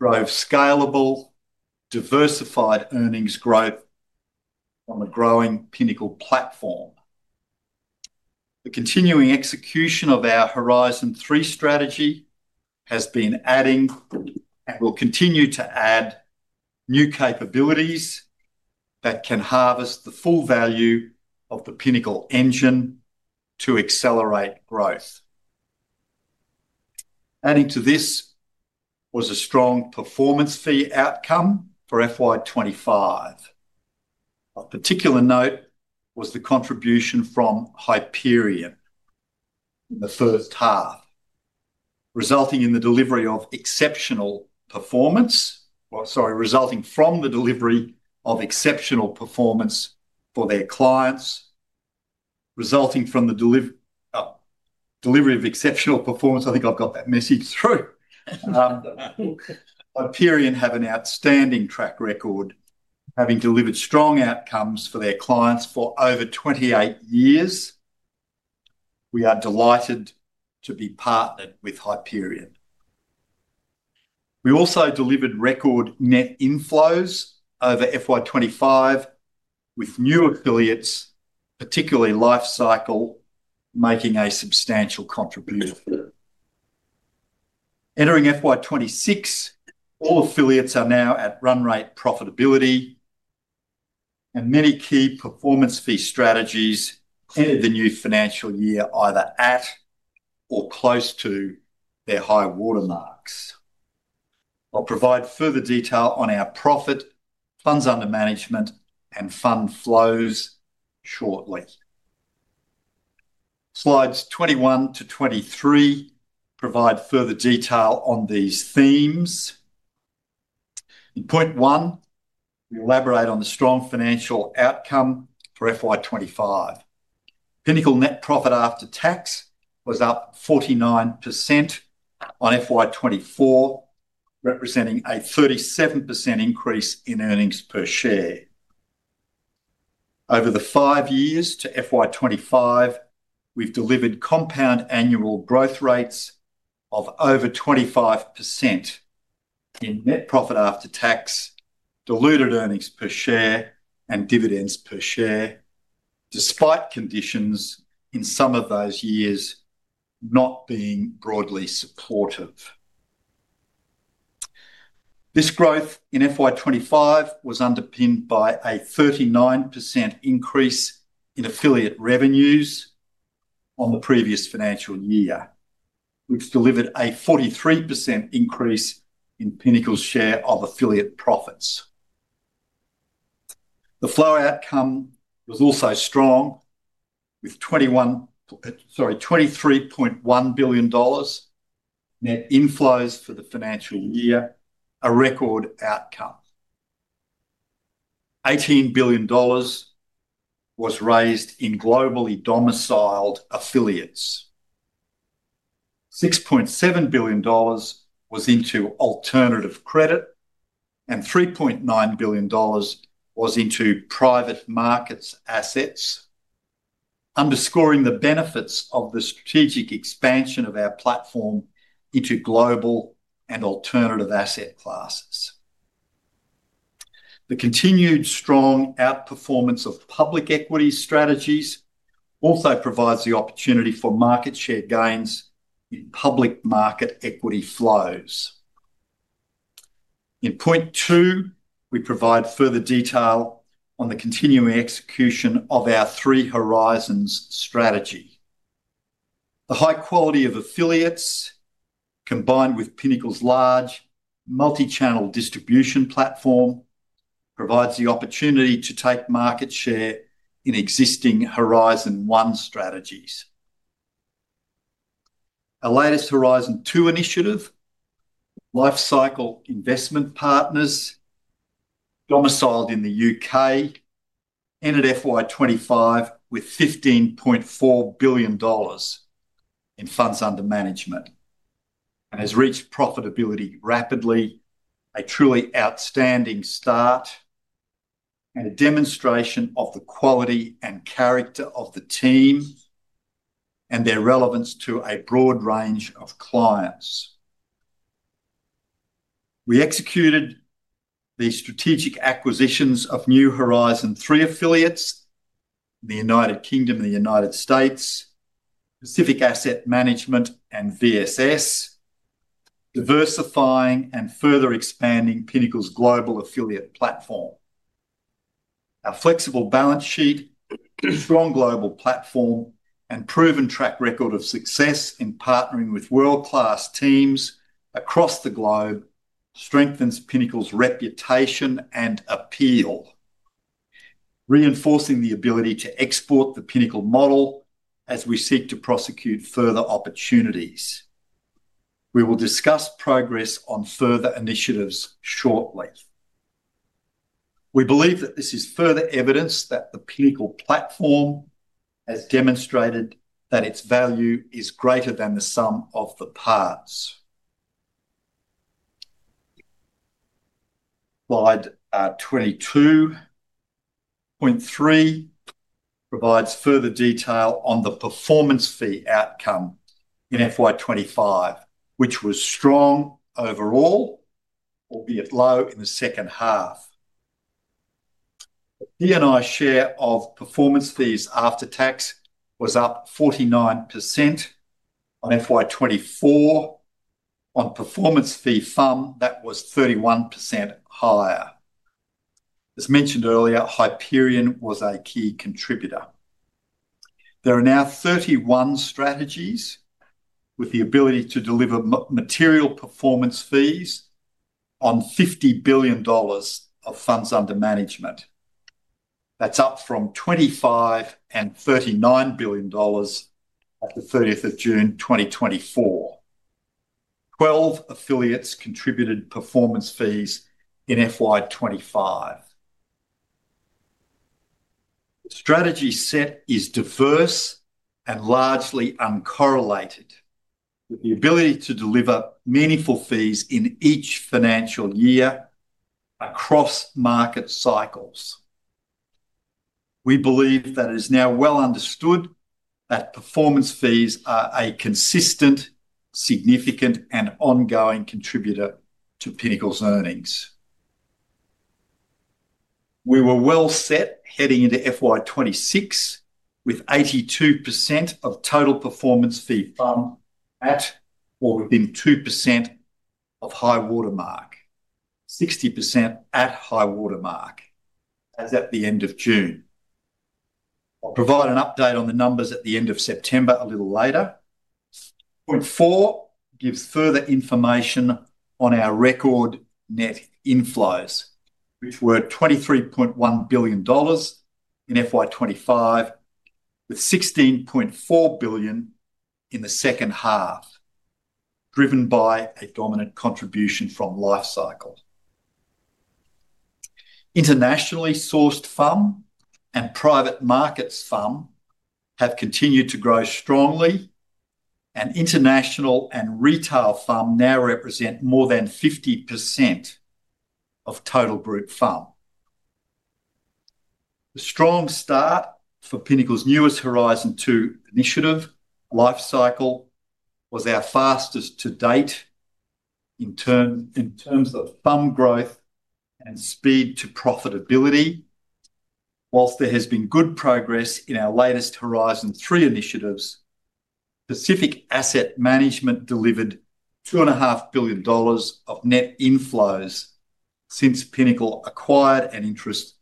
[SPEAKER 3] drove scalable, diversified earnings growth on the growing Pinnacle platform. The continuing execution of our Horizon 3 strategy has been adding and will continue to add new capabilities that can harvest the full value of the Pinnacle engine to accelerate growth. Adding to this. It was a strong performance fee outcome for FY 2025. A particular note was the contribution from Hyperion in the first half, resulting from the delivery of exceptional performance for their clients. I think I've got that message through. Hyperion have an outstanding track record, having delivered strong outcomes for their clients for over 28 years. We are delighted to be partnered with Hyperion. We also delivered record net inflows over FY 2025, with new affiliates, particularly Life Cycle, making a substantial contribution. Entering FY 2026, all affiliates are now at run rate profitability, and many key performance fee strategies ended the new financial year either at or close to their high watermarks. I'll provide further detail on our profit, funds under management, and fund flows shortly. Slides 21 to 23 provide further detail on these themes. In point one, we elaborate on the strong financial outcome for FY 2025. Pinnacle net profit after tax was up 49% on FY 2024, representing a 37% increase in earnings per share. Over the five years to FY 2025, we've delivered compound annual growth rates of over 25% in net profit after tax, diluted earnings per share, and dividends per share, despite conditions in some of those years not being broadly supportive. This growth in FY 2025 was underpinned by a 39% increase in affiliate revenues on the previous financial year, which delivered a 43% increase in Pinnacle share of affiliate profits. The flow outcome was also strong, with 23.1 billion dollars net inflows for the financial year, a record outcome. 18 billion dollars was raised in globally domiciled affiliates, 6.7 billion dollars was into alternative credit, and 3.9 billion dollars was into private markets assets, underscoring the benefits of the strategic expansion of our platform into global and alternative asset classes. The continued strong outperformance of public equity strategies also provides the opportunity for market share gains in public market equity flows. In point two, we provide further detail on the continuing execution of our three horizons strategy. The high quality of affiliates, combined with Pinnacle's large multi-channel distribution platform, provides the opportunity to take market share in existing Horizon 1 strategies. Our latest Horizon 2 initiative, Life Cycle Investment Partners, domiciled in the U.K., ended FY 25 with AUD 15.4 billion. In funds under management, and has reached profitability rapidly, a truly outstanding start and a demonstration of the quality and character of the team and their relevance to a broad range of clients. We executed the strategic acquisitions of new Horizon 3 affiliates, the United Kingdom and the United States, Pacific Asset Management, and VSS, diversifying and further expanding Pinnacle's global affiliate platform. Our flexible balance sheet, strong global platform, and proven track record of success in partnering with world-class teams across the globe strengthens Pinnacle's reputation and appeal, reinforcing the ability to export the Pinnacle model as we seek to prosecute further opportunities. We will discuss progress on further initiatives shortly. We believe that this is further evidence that the Pinnacle platform has demonstrated that its value is greater than the sum of the parts. Slide 22, point three, provides further detail on the performance fee outcome in FY 2025, which was strong overall, albeit low in the second half. The PNI share of performance fees after tax was up 49% on FY 2024, on performance fee fund that was 31% higher. As mentioned earlier, Hyperion was a key contributor. There are now 31 strategies with the ability to deliver material performance fees on AUD 50 billion of funds under management, up from AUD 25 billion and AUD 39 billion at the 30th of June 2024. Twelve affiliates contributed performance fees in FY 2025. The strategy set is diverse and largely uncorrelated, with the ability to deliver meaningful fees in each financial year across market cycles. We believe that it is now well-understood that performance fees are a consistent, significant, and ongoing contributor to Pinnacle's earnings. We were well-set heading into FY 2026 with 82% of total performance fee fund at or within 2% of high watermark, 60% at high watermark as at the end of June. I'll provide an update on the numbers at the end of September a little later. Point four gives further information on our record net inflows, which were 23.1 billion dollars in FY 2025, with 16.4 billion in the second half, driven by a dominant contribution from Life Cycle. Internationally sourced fund and private markets fund have continued to grow strongly, and international and retail fund now represent more than 50% of total group fund. The strong start for Pinnacle's newest Horizon 2 initiative, Life Cycle, was our fastest to date in terms of fund growth and speed to profitability. Whilst there has been good progress in our latest Horizon 3 initiatives, Pacific Asset Management delivered 2.5 billion dollars of net inflows since Pinnacle acquired an interest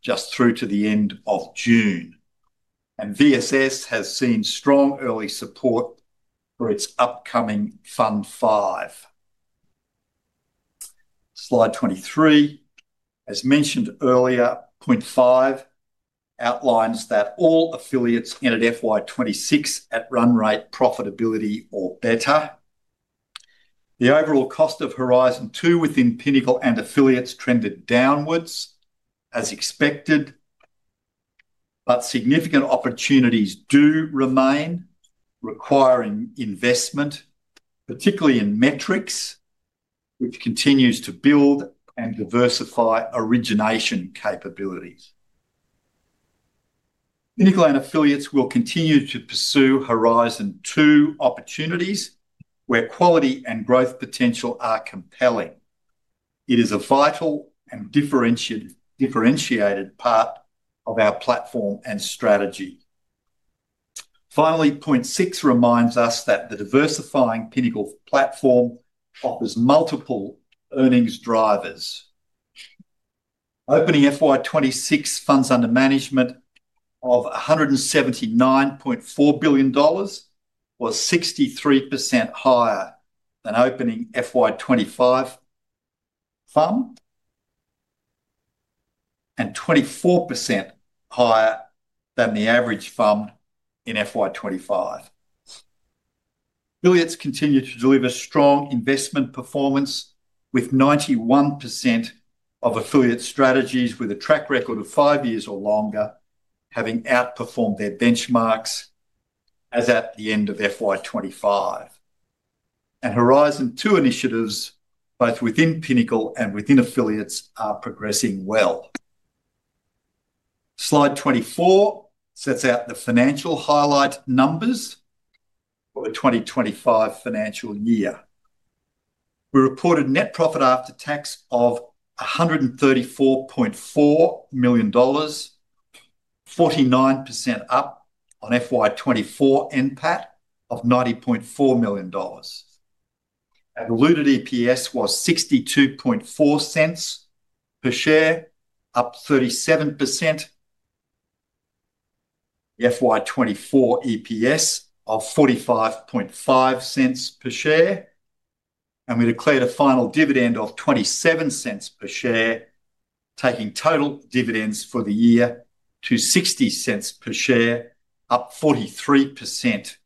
[SPEAKER 3] just through to the end of June, and VSS has seen strong early support for its upcoming Fund 5. Slide 23. As mentioned earlier, point five outlines that all affiliates ended FY 2026 at run rate profitability or better. The overall cost of Horizon 2 within Pinnacle and affiliates trended downwards as expected, but significant opportunities do remain requiring investment, particularly in Metrics, which continues to build and diversify origination capabilities. Pinnacle and affiliates will continue to pursue Horizon 2 opportunities where quality and growth potential are compelling. It is a vital and differentiated part of our platform and strategy. Finally, point six reminds us that the diversifying Pinnacle platform offers multiple earnings drivers. Opening FY 2026 funds under management of 179.4 billion dollars was 63% higher than opening FY 2025 fund and 24% higher than the average fund in FY 2025. Affiliates continue to deliver strong investment performance, with 91% of affiliate strategies with a track record of five years or longer having outperformed their benchmarks as at the end of FY 2025. Horizon 2 initiatives, both within Pinnacle and within affiliates, are progressing well. Slide 24 sets out the financial highlight numbers for the 2025 financial year. We reported net profit after tax of AUD 134.4 million, 49% up on FY 2024 NPAT of AUD 90.4 million. Diluted EPS was 0.624 per share, up 37% on FY 2024 EPS of AUD 0.455 per share. We declared a final dividend of 0.27 per share, taking total dividends for the year to 0.60 per share, up 43%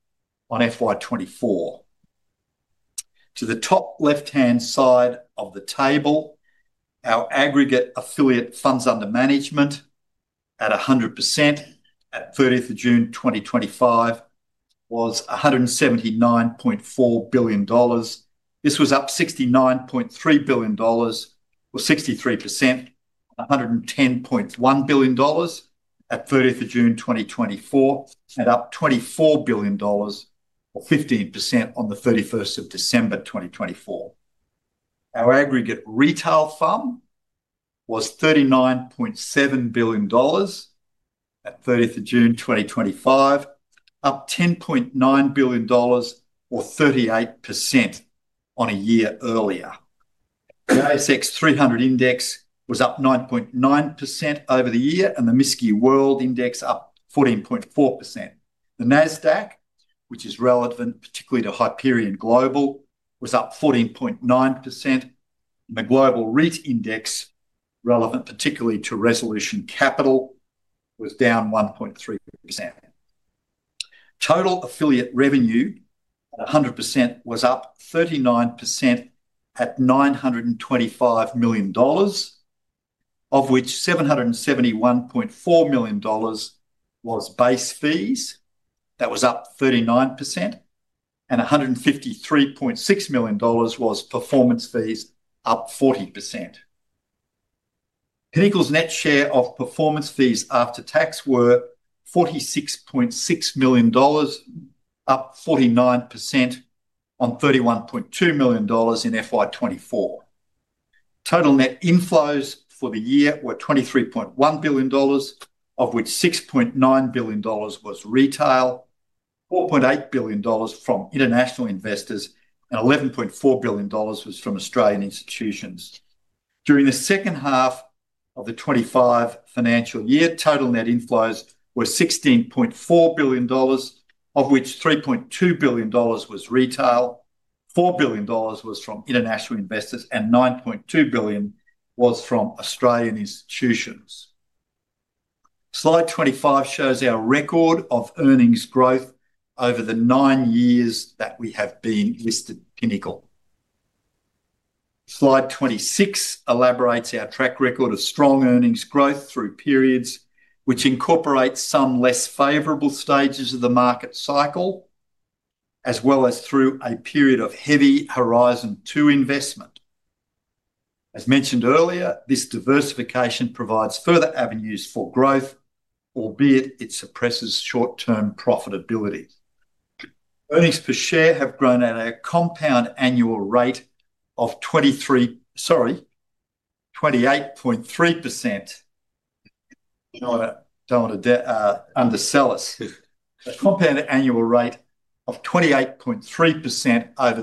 [SPEAKER 3] on FY 2024. To the top left-hand side of the table, our aggregate affiliate funds under management at 100% at 30th of June 2025 was AUD 179.4 billion. This was up AUD 69.3 billion, or 63%, from AUD 110.1 billion at 30th of June 2024, and up AUD 24 billion, or 15%, on the 31st of December 2024. Our aggregate retail fund was AUD 39.7 billion at 30th of June 2025, up AUD 10.9 billion, or 38%, on a year earlier. The ASX 300 Index was up 9.9% over the year, and the MSCI World Index up 14.4%. The NASDAQ, which is relevant particularly to Hyperion Global, was up 14.9%, and the Global REIT Index, relevant particularly to Resolution Capital, was down 1.3%. Total affiliate revenue at 100% was up 39% at 925 million dollars, of which 771.4 million dollars was base fees. That was up 39%. 153.6 million dollars was performance fees, up 40%. Pinnacle's net share of performance fees after tax were 46.6 million dollars, up 49% on 31.2 million dollars in FY 2024. Total net inflows for the year were 23.1 billion dollars, of which 6.9 billion dollars was retail, 4.8 billion dollars from international investors, and 11.4 billion dollars was from Australian institutions. During the second half of the 2025 financial year, total net inflows were 16.4 billion dollars, of which 3.2 billion dollars was retail, 4 billion dollars was from international investors, and 9.2 billion was from Australian institutions. Slide 25 shows our record of earnings growth over the nine years that we have been listed Pinnacle. Slide 26 elaborates our track record of strong earnings growth through periods which incorporate some less favorable stages of the market cycle, as well as through a period of heavy Horizon 2 investment. As mentioned earlier, this diversification provides further avenues for growth, albeit it suppresses short-term profitability. Earnings per share have grown at a compound annual rate of 28.3% over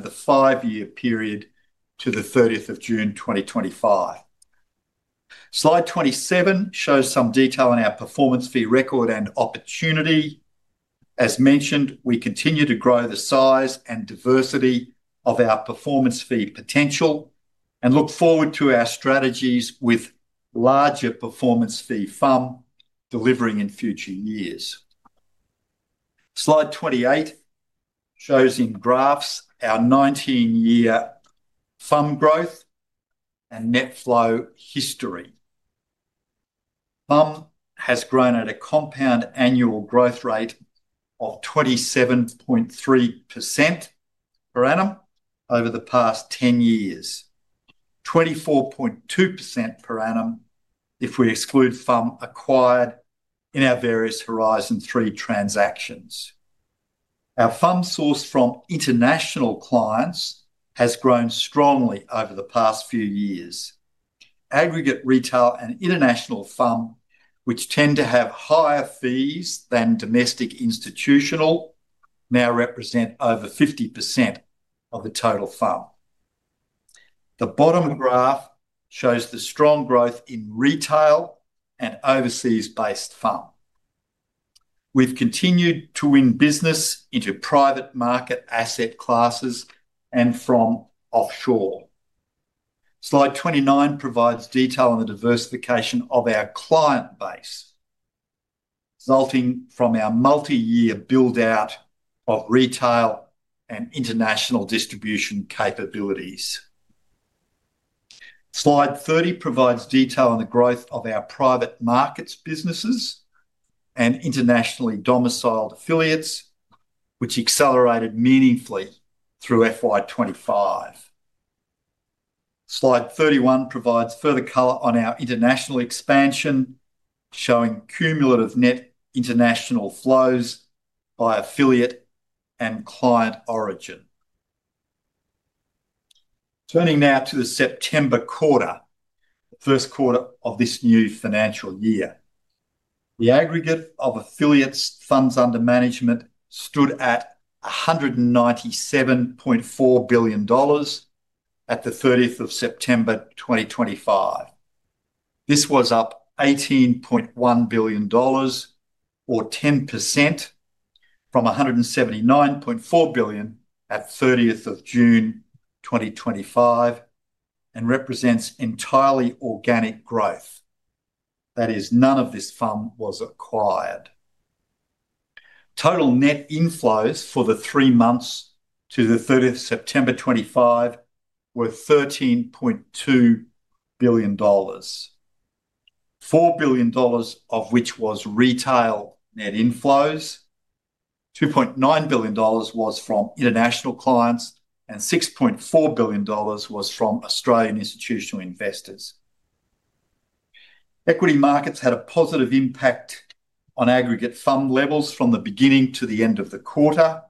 [SPEAKER 3] the 5-year period to the 30th of June 2025. Slide 27 shows some detail on our performance fee record and opportunity. As mentioned, we continue to grow the size and diversity of our performance fee potential and look forward to our strategies with larger performance fee fund delivering in future years. Slide 28 shows in graphs our 19-year fund growth and net flow history. Fund has grown at a compound annual growth rate of 27.3% per annum over the past 10 years, 24.2% per annum if we exclude fund acquired in our various Horizon 3 transactions. Our fund source from international clients has grown strongly over the past few years. Aggregate retail and international fund, which tend to have higher fees than domestic institutional, now represent over 50% of the total fund. The bottom graph shows the strong growth in retail and overseas-based fund. We've continued to win business into private market asset classes and from offshore. Slide 29 provides detail on the diversification of our client base resulting from our multi-year build-out of retail and international distribution capabilities. Slide 30 provides detail on the growth of our private markets businesses and internationally domiciled affiliates, which accelerated meaningfully through FY 2025. Slide 31 provides further color on our international expansion, showing cumulative net international flows by affiliate and client origin. Turning now to the September quarter, the first quarter of this new financial year. The aggregate of affiliates funds under management stood at 197.4 billion dollars at the 30th of September 2025. This was up AUD 18.1 billion, or 10%, from AUD 179.4 billion at 30th of June 2025, and represents entirely organic growth. That is, none of this fund was acquired. Total net inflows for the three months to the 30th of September 2025 were 13.2 billion dollars. 4 billion dollars of which was retail net inflows, 2.9 billion dollars was from international clients, and 6.4 billion dollars was from Australian institutional investors. Equity markets had a positive impact on aggregate fund levels from the beginning to the end of the quarter.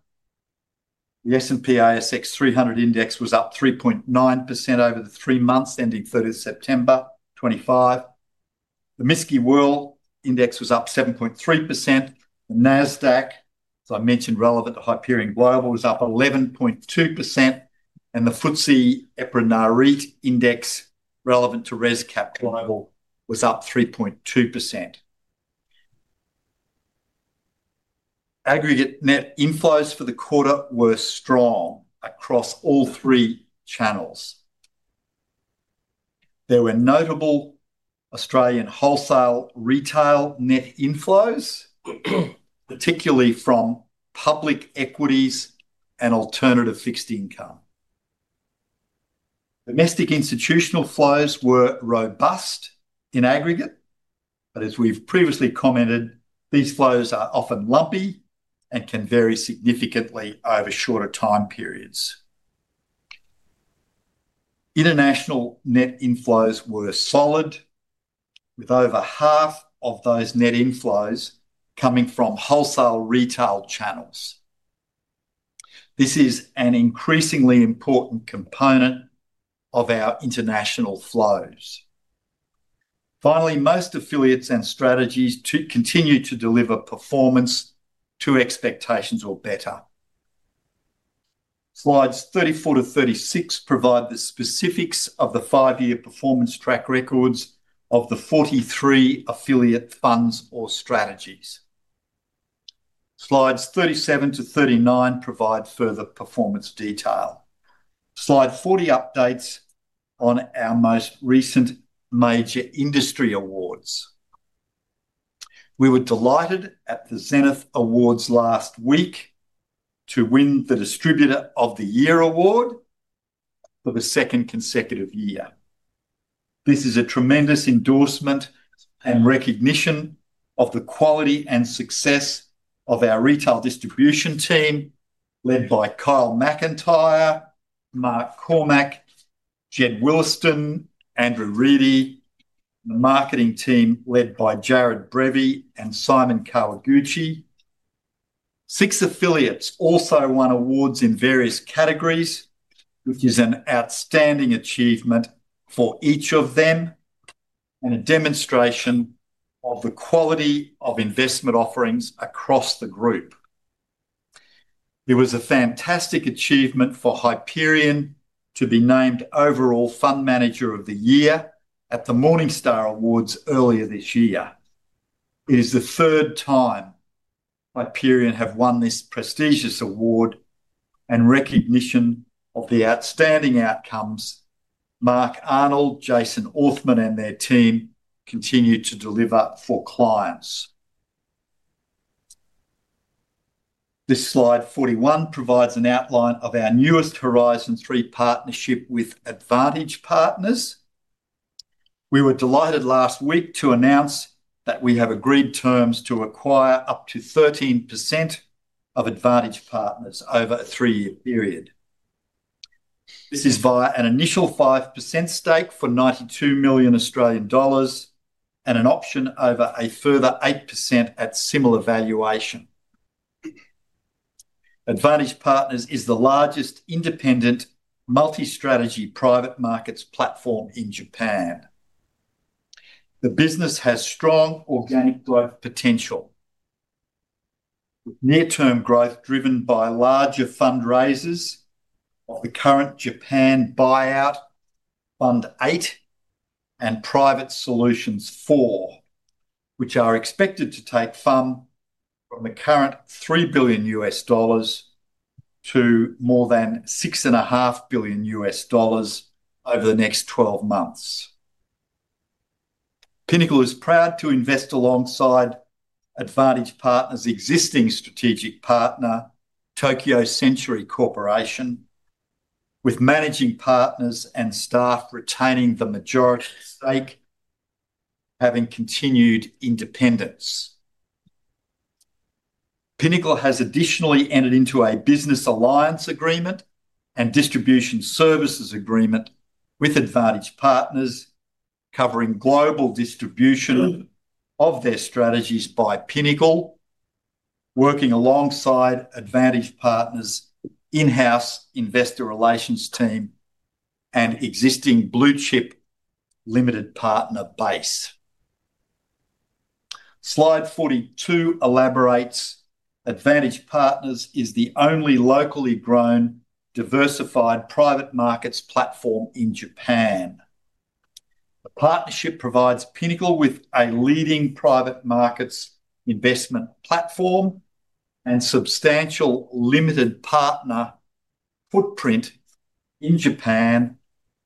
[SPEAKER 3] The S&P/ASX 300 Index was up 3.9% over the 3 months ending 30th September 2025. The MSCI World Index was up 7.3%. The NASDAQ, as I mentioned, relevant to Hyperion Global, was up 11.2%. The FTSE EPRA/NAREIT Index, relevant to RESCAP Global, was up 3.2%. Aggregate net inflows for the quarter were strong across all three channels. There were notable Australian wholesale retail net inflows, particularly from public equities and alternative fixed income. Domestic institutional flows were robust in aggregate, but as we've previously commented, these flows are often lumpy and can vary significantly over shorter time periods. International net inflows were solid, with over half of those net inflows coming from wholesale retail channels. This is an increasingly important component of our international flows. Finally, most affiliates and strategies continue to deliver performance to expectations or better. Slides 34 to 36 provide the specifics of the 5-year performance track records of the 43 affiliate funds or strategies. Slides 37 to 39 provide further performance detail. Slide 40 updates on our most recent major industry awards. We were delighted at the Zenith Awards last week to win the Distributor of the Year award for the second consecutive year. This is a tremendous endorsement and recognition of the quality and success of our retail distribution team led by Kyle Macintyre, Mark Cormack, Jed Williston, and Andrew Reedy, and the marketing team led by Jared Brevi and Simon Kawaguchi. Six affiliates also won awards in various categories, which is an outstanding achievement for each of them and a demonstration of the quality of investment offerings across the group. It was a fantastic achievement for Hyperion to be named Overall Fund Manager of the Year at the Morningstar Awards earlier this year. It is the third time Hyperion has won this prestigious award and recognition of the outstanding outcomes Mark Arnold, Jason Orthman, and their team continue to deliver for clients. Slide 41 provides an outline of our newest Horizon 3 partnership with Advantage Partners. We were delighted last week to announce that we have agreed terms to acquire up to 13% of Advantage Partners over a 3-year period. This is via an initial 5% stake for 92 million Australian dollars and an option over a further 8% at similar valuation. Advantage Partners is the largest independent multi-strategy private markets platform in Japan. The business has strong organic growth potential, with near-term growth driven by larger fundraisers of the current Japan Buyout Fund 8 and Private Solutions 4, which are expected to take funds from the current $3 billion to more than $6.5 billion over the next 12 months. Pinnacle is proud to invest alongside Advantage Partners' existing strategic partner, Tokyo Century Corporation, with managing partners and staff retaining the majority stake, having continued independence. Pinnacle has additionally entered into a business alliance agreement and distribution services agreement with Advantage Partners, covering global distribution of their strategies by Pinnacle. Working alongside Advantage Partners' in-house investor relations team and existing Blue Chip Limited partner base. Slide 42 elaborates: Advantage Partners is the only locally grown diversified private markets platform in Japan. The partnership provides Pinnacle with a leading private markets investment platform and substantial limited partner footprint in Japan,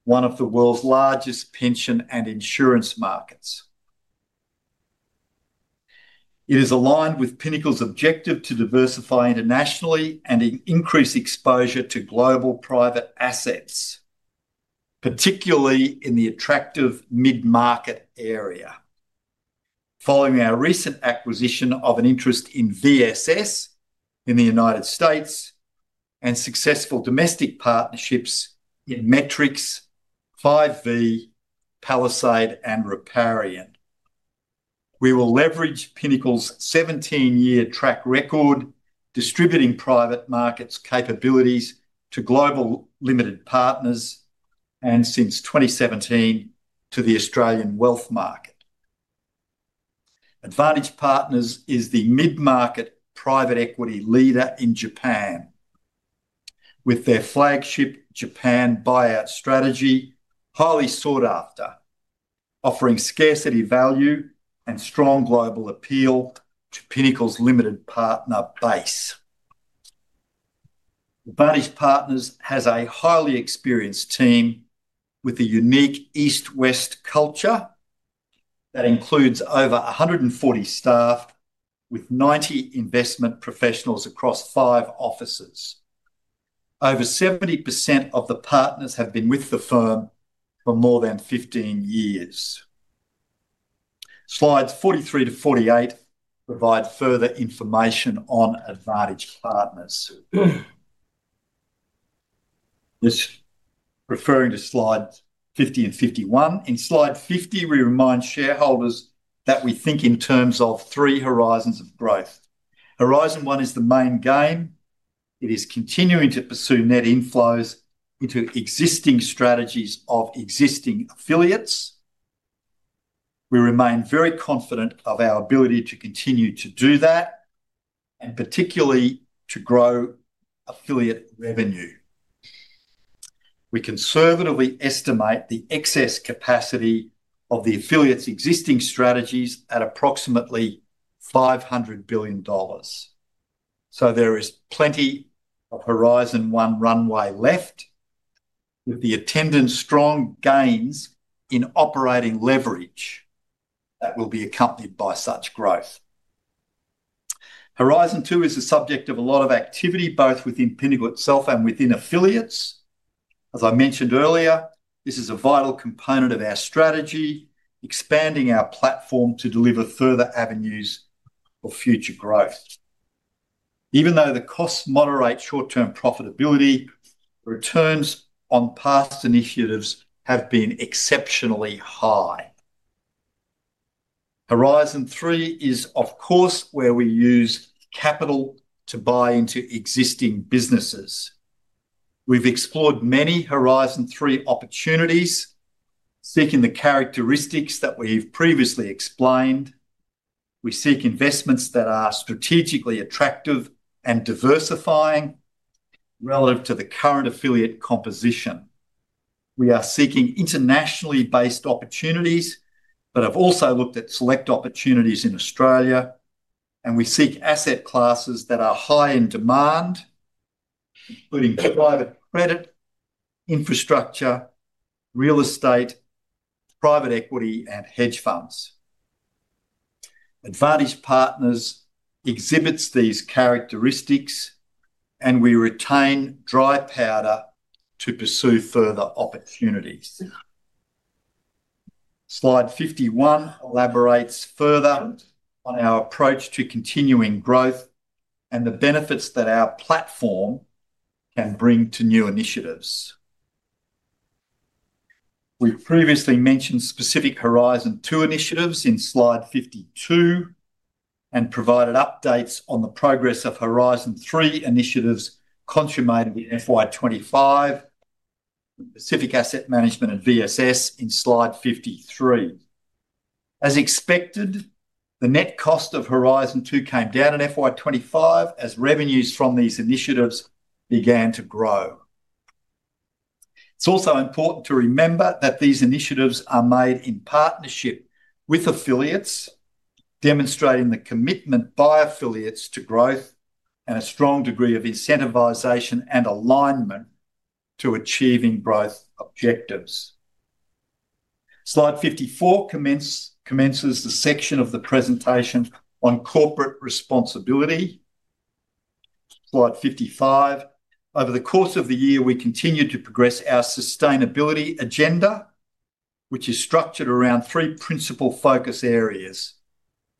[SPEAKER 3] one of the world's largest pension and insurance markets. It is aligned with Pinnacle's objective to diversify internationally and increase exposure to global private assets, particularly in the attractive mid-market area. Following our recent acquisition of an interest in VSS in the U.S. and successful domestic partnerships in Metrics, Five V, Palisade, and Riparian, we will leverage Pinnacle's 17-year track record distributing private markets capabilities to global limited partners, and since 2017 to the Australian wealth market. Advantage Partners is the mid-market private equity leader in Japan, with their flagship Japan Buyout strategy highly sought after, offering scarcity value and strong global appeal to Pinnacle's limited partner base. Advantage Partners has a highly experienced team with a unique East-West culture that includes over 140 staff, with 90 investment professionals across five offices. Over 70% of the partners have been with the firm for more than 15 years. Slides 43 to 48 provide further information on Advantage Partners. Referring to slides 50 and 51, in slide 50, we remind shareholders that we think in terms of three horizons of growth. Horizon 1 is the main game. It is continuing to pursue net inflows into existing strategies of existing affiliates. We remain very confident of our ability to continue to do that, and particularly to grow affiliate revenue. We conservatively estimate the excess capacity of the affiliates' existing strategies at approximately 500 billion dollars. There is plenty of Horizon 1 runway left, with the attendant strong gains in operating leverage that will be accompanied by such growth. Horizon 2 is the subject of a lot of activity, both within Pinnacle itself and within affiliates. As I mentioned earlier, this is a vital component of our strategy, expanding our platform to deliver further avenues of future growth. Even though the costs moderate short-term profitability, returns on past initiatives have been exceptionally high. Horizon 3 is, of course, where we use capital to buy into existing businesses. We've explored many Horizon 3 opportunities, seeking the characteristics that we've previously explained. We seek investments that are strategically attractive and diversifying relative to the current affiliate composition. We are seeking internationally based opportunities but have also looked at select opportunities in Australia, and we seek asset classes that are high in demand, including private credit, infrastructure, real estate, private equity, and hedge funds. Advantage Partners exhibits these characteristics, and we retain dry powder to pursue further opportunities. Slide 51 elaborates further on our approach to continuing growth and the benefits that our platform can bring to new initiatives. We previously mentioned specific Horizon 2 initiatives in slide 52 and provided updates on the progress of Horizon 3 initiatives consummated in FY 2025, with specific asset management and VSS in slide 53. As expected, the net cost of Horizon 2 came down in FY 2025 as revenues from these initiatives began to grow. It's also important to remember that these initiatives are made in partnership with affiliates, demonstrating the commitment by affiliates to growth and a strong degree of incentivization and alignment to achieving growth objectives. Slide 54 commences the section of the presentation on corporate responsibility. Slide 55. Over the course of the year, we continue to progress our sustainability agenda, which is structured around three principal focus areas: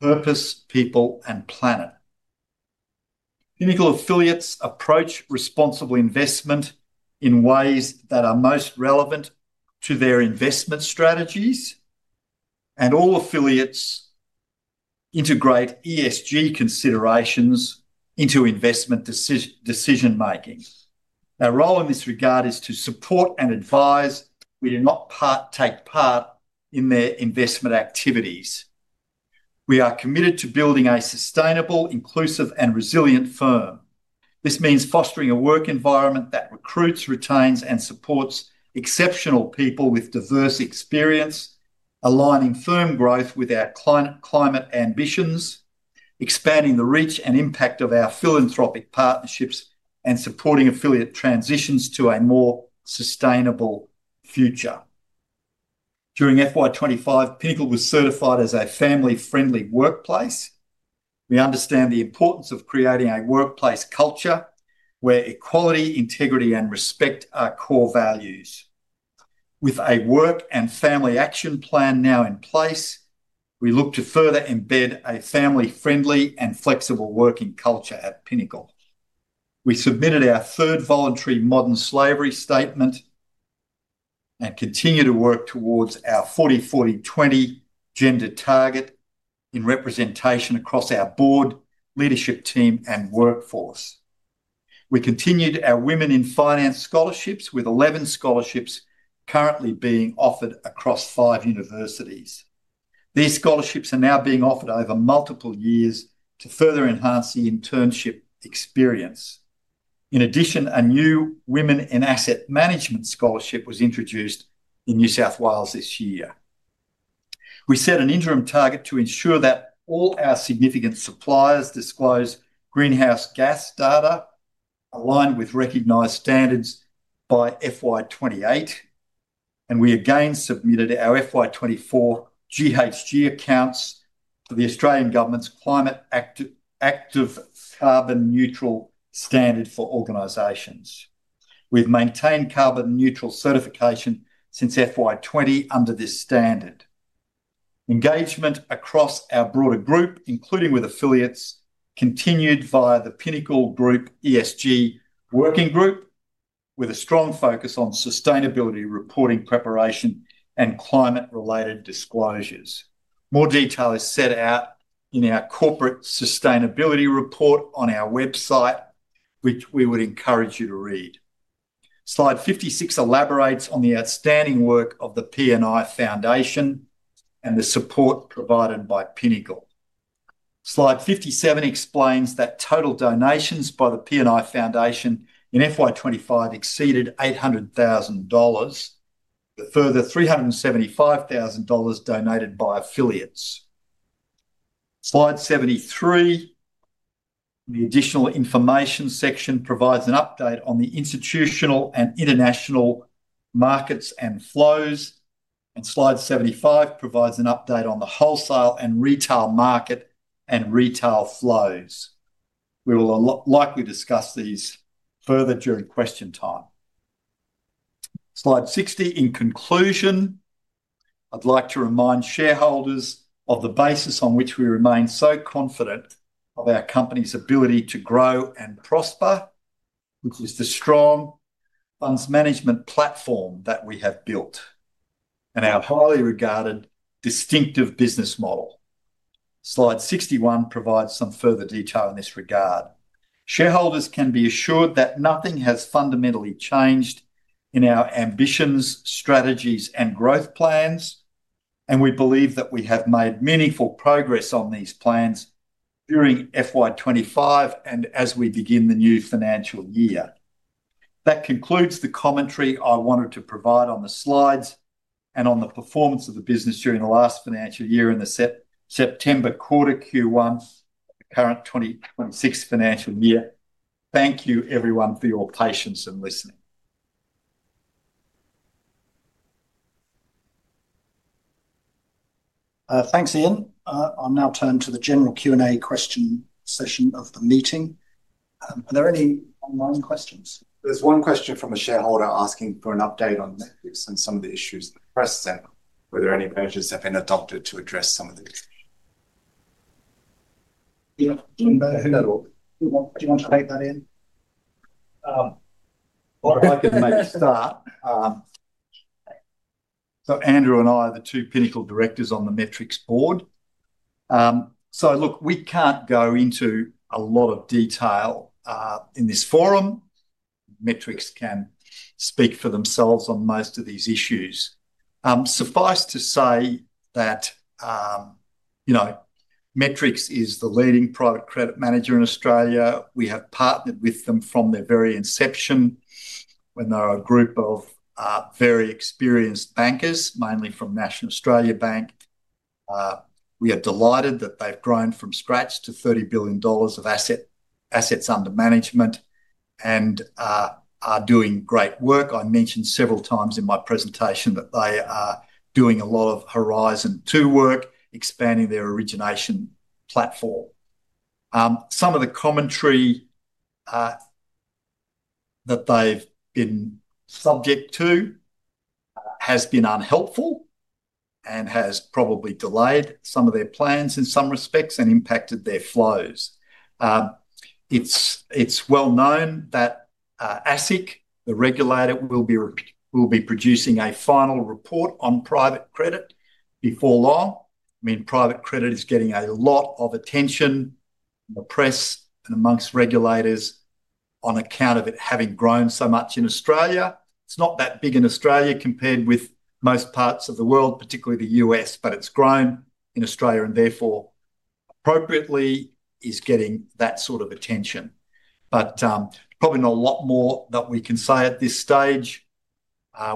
[SPEAKER 3] purpose, people, and planet. Pinnacle affiliates approach responsible investment in ways that are most relevant to their investment strategies, and all affiliates integrate ESG considerations into investment decision-making. Our role in this regard is to support and advise. We do not take part in their investment activities. We are committed to building a sustainable, inclusive, and resilient firm. This means fostering a work environment that recruits, retains, and supports exceptional people with diverse experience, aligning firm growth with our climate ambitions, expanding the reach and impact of our philanthropic partnerships, and supporting affiliate transitions to a more sustainable future. During FY 2025, Pinnacle was certified as a family-friendly workplace. We understand the importance of creating a workplace culture where equality, integrity, and respect are core values. With a work and family action plan now in place, we look to further embed a family-friendly and flexible working culture at Pinnacle. We submitted our third voluntary modern slavery statement and continue to work towards our 40-40-20 gender target in representation across our board, leadership team, and workforce. We continued our women-in-finance scholarships, with 11 scholarships currently being offered across five universities. These scholarships are now being offered over multiple years to further enhance the internship experience. In addition, a new women-in-asset management scholarship was introduced in New South Wales this year. We set an interim target to ensure that all our significant suppliers disclose greenhouse gas data aligned with recognized standards by FY 2028. We again submitted our FY 2024 GHG accounts for the Australian government's climate-active carbon-neutral standard for organizations. We've maintained carbon-neutral certification since FY 2020 under this standard. Engagement across our broader group, including with affiliates, continued via the Pinnacle Group ESG Working Group, with a strong focus on sustainability reporting preparation and climate-related disclosures. More detail is set out in our corporate sustainability report on our website, which we would encourage you to read. Slide 56 elaborates on the outstanding work of the PNI Foundation and the support provided by Pinnacle. Slide 57 explains that total donations by the PNI Foundation in FY 2025 exceeded 800,000 dollars, with a further 375,000 dollars donated by affiliates. Slide 73, the additional information section, provides an update on the institutional and international markets and flows. Slide 75 provides an update on the wholesale and retail market and retail flows. We will likely discuss these further during question time. Slide 60, in conclusion, I'd like to remind shareholders of the basis on which we remain so confident of our company's ability to grow and prosper, which is the strong funds management platform that we have built and our highly regarded distinctive business model. Slide 61 provides some further detail in this regard. Shareholders can be assured that nothing has fundamentally changed in our ambitions, strategies, and growth plans, and we believe that we have made meaningful progress on these plans during FY 2025 and as we begin the new financial year. That concludes the commentary I wanted to provide on the slides and on the performance of the business during the last financial year in the September quarter Q1 of the current 2026 financial year. Thank you, everyone, for your patience and listening.
[SPEAKER 1] Thanks, Ian. I'll now turn to the general Q&A question session of the meeting. Are there any online questions? There's one question from a shareholder asking for an update on Metrics and some of the issues that pressed them, whether any measures have been adopted to address some of the issues. Do you want to take that in?
[SPEAKER 3] I can maybe start. Andrew and I are the two Pinnacle directors on the Metrics board. We can't go into a lot of detail in this forum. Metrics can speak for themselves on most of these issues. Suffice to say that Metrics is the leading private credit manager in Australia. We have partnered with them from their very inception when they were a group of very experienced bankers, mainly from National Australia Bank. We are delighted that they've grown from scratch to 30 billion dollars of assets under management and are doing great work. I mentioned several times in my presentation that they are doing a lot of Horizon 2 work, expanding their origination platform. Some of the commentary that they've been subject to has been unhelpful and has probably delayed some of their plans in some respects and impacted their flows. It's well-known that ASIC, the regulator, will be producing a final report on private credit before long. Private credit is getting a lot of attention in the press and amongst regulators on account of it having grown so much in Australia. It's not that big in Australia compared with most parts of the world, particularly the U.S., but it's grown in Australia and therefore, appropriately, is getting that sort of attention. Probably not a lot more that we can say at this stage.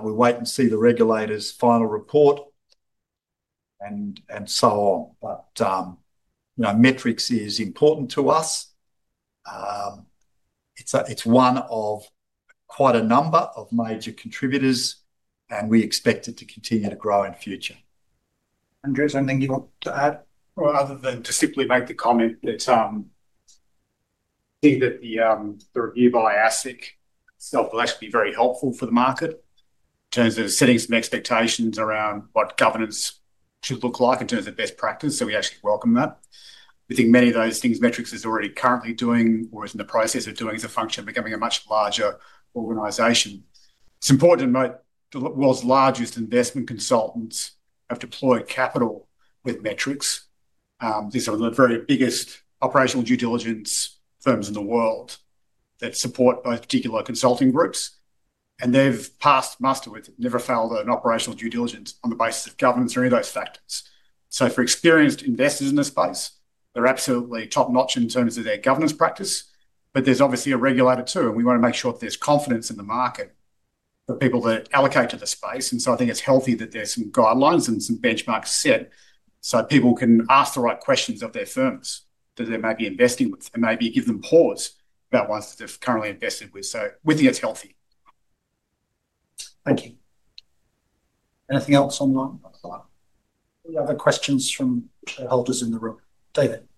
[SPEAKER 3] We wait and see the regulator's final report and so on. Metrics is important to us. It's one of quite a number of major contributors, and we expect it to continue to grow in the future. Andrew, is there anything you want to add?
[SPEAKER 4] Other than to simply make the comment that I think that the review by ASIC itself will actually be very helpful for the market. In terms of setting some expectations around what governance should look like in terms of best practice, we actually welcome that. I think many of those things Metrics is already currently doing or is in the process of doing as a function of becoming a much larger organization. It's important to note the world's largest investment consultants have deployed capital with Metrics. These are the very biggest operational due diligence firms in the world that support those particular consulting groups, and they've passed muster with it, never failed an operational due diligence on the basis of governance or any of those factors. For experienced investors in this space, they're absolutely top-notch in terms of their governance practice. There's obviously a regulator too, and we want to make sure that there's confidence in the market for people that allocate to the space. I think it's healthy that there's some guidelines and some benchmarks set so people can ask the right questions of their firms that they may be investing with and maybe give them pause about ones that they've currently invested with. We think it's healthy. Thank you. Anything else online? Any other questions from shareholders in the room? David?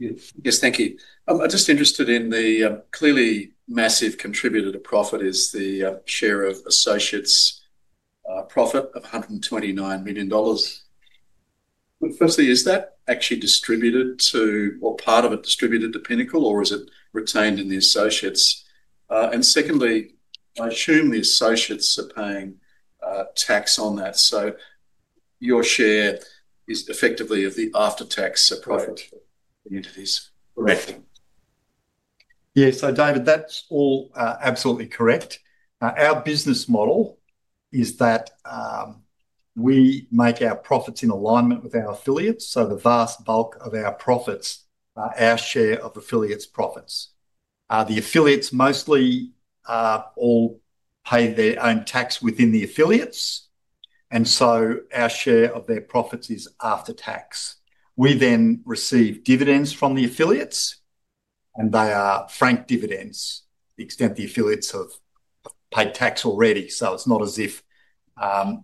[SPEAKER 2] Yes. Yes, thank you. I'm just interested in the clearly massive contributor to profit is the share of associates. Profit of 129 million dollars. Firstly, is that actually distributed to or part of it distributed to Pinnacle, or is it retained in the associates? Secondly, I assume the associates are paying tax on that, so your share is effectively of the after-tax profit for the entities?
[SPEAKER 4] Correct. Yeah. So David, that's all absolutely correct. Our business model is that we make our profits in alignment with our affiliates, so the vast bulk of our profits are our share of affiliates' profits. The affiliates mostly all pay their own tax within the affiliates, and so our share of their profits is after-tax. We then receive dividends from the affiliates, and they are franked dividends to the extent the affiliates have paid tax already. It's not as if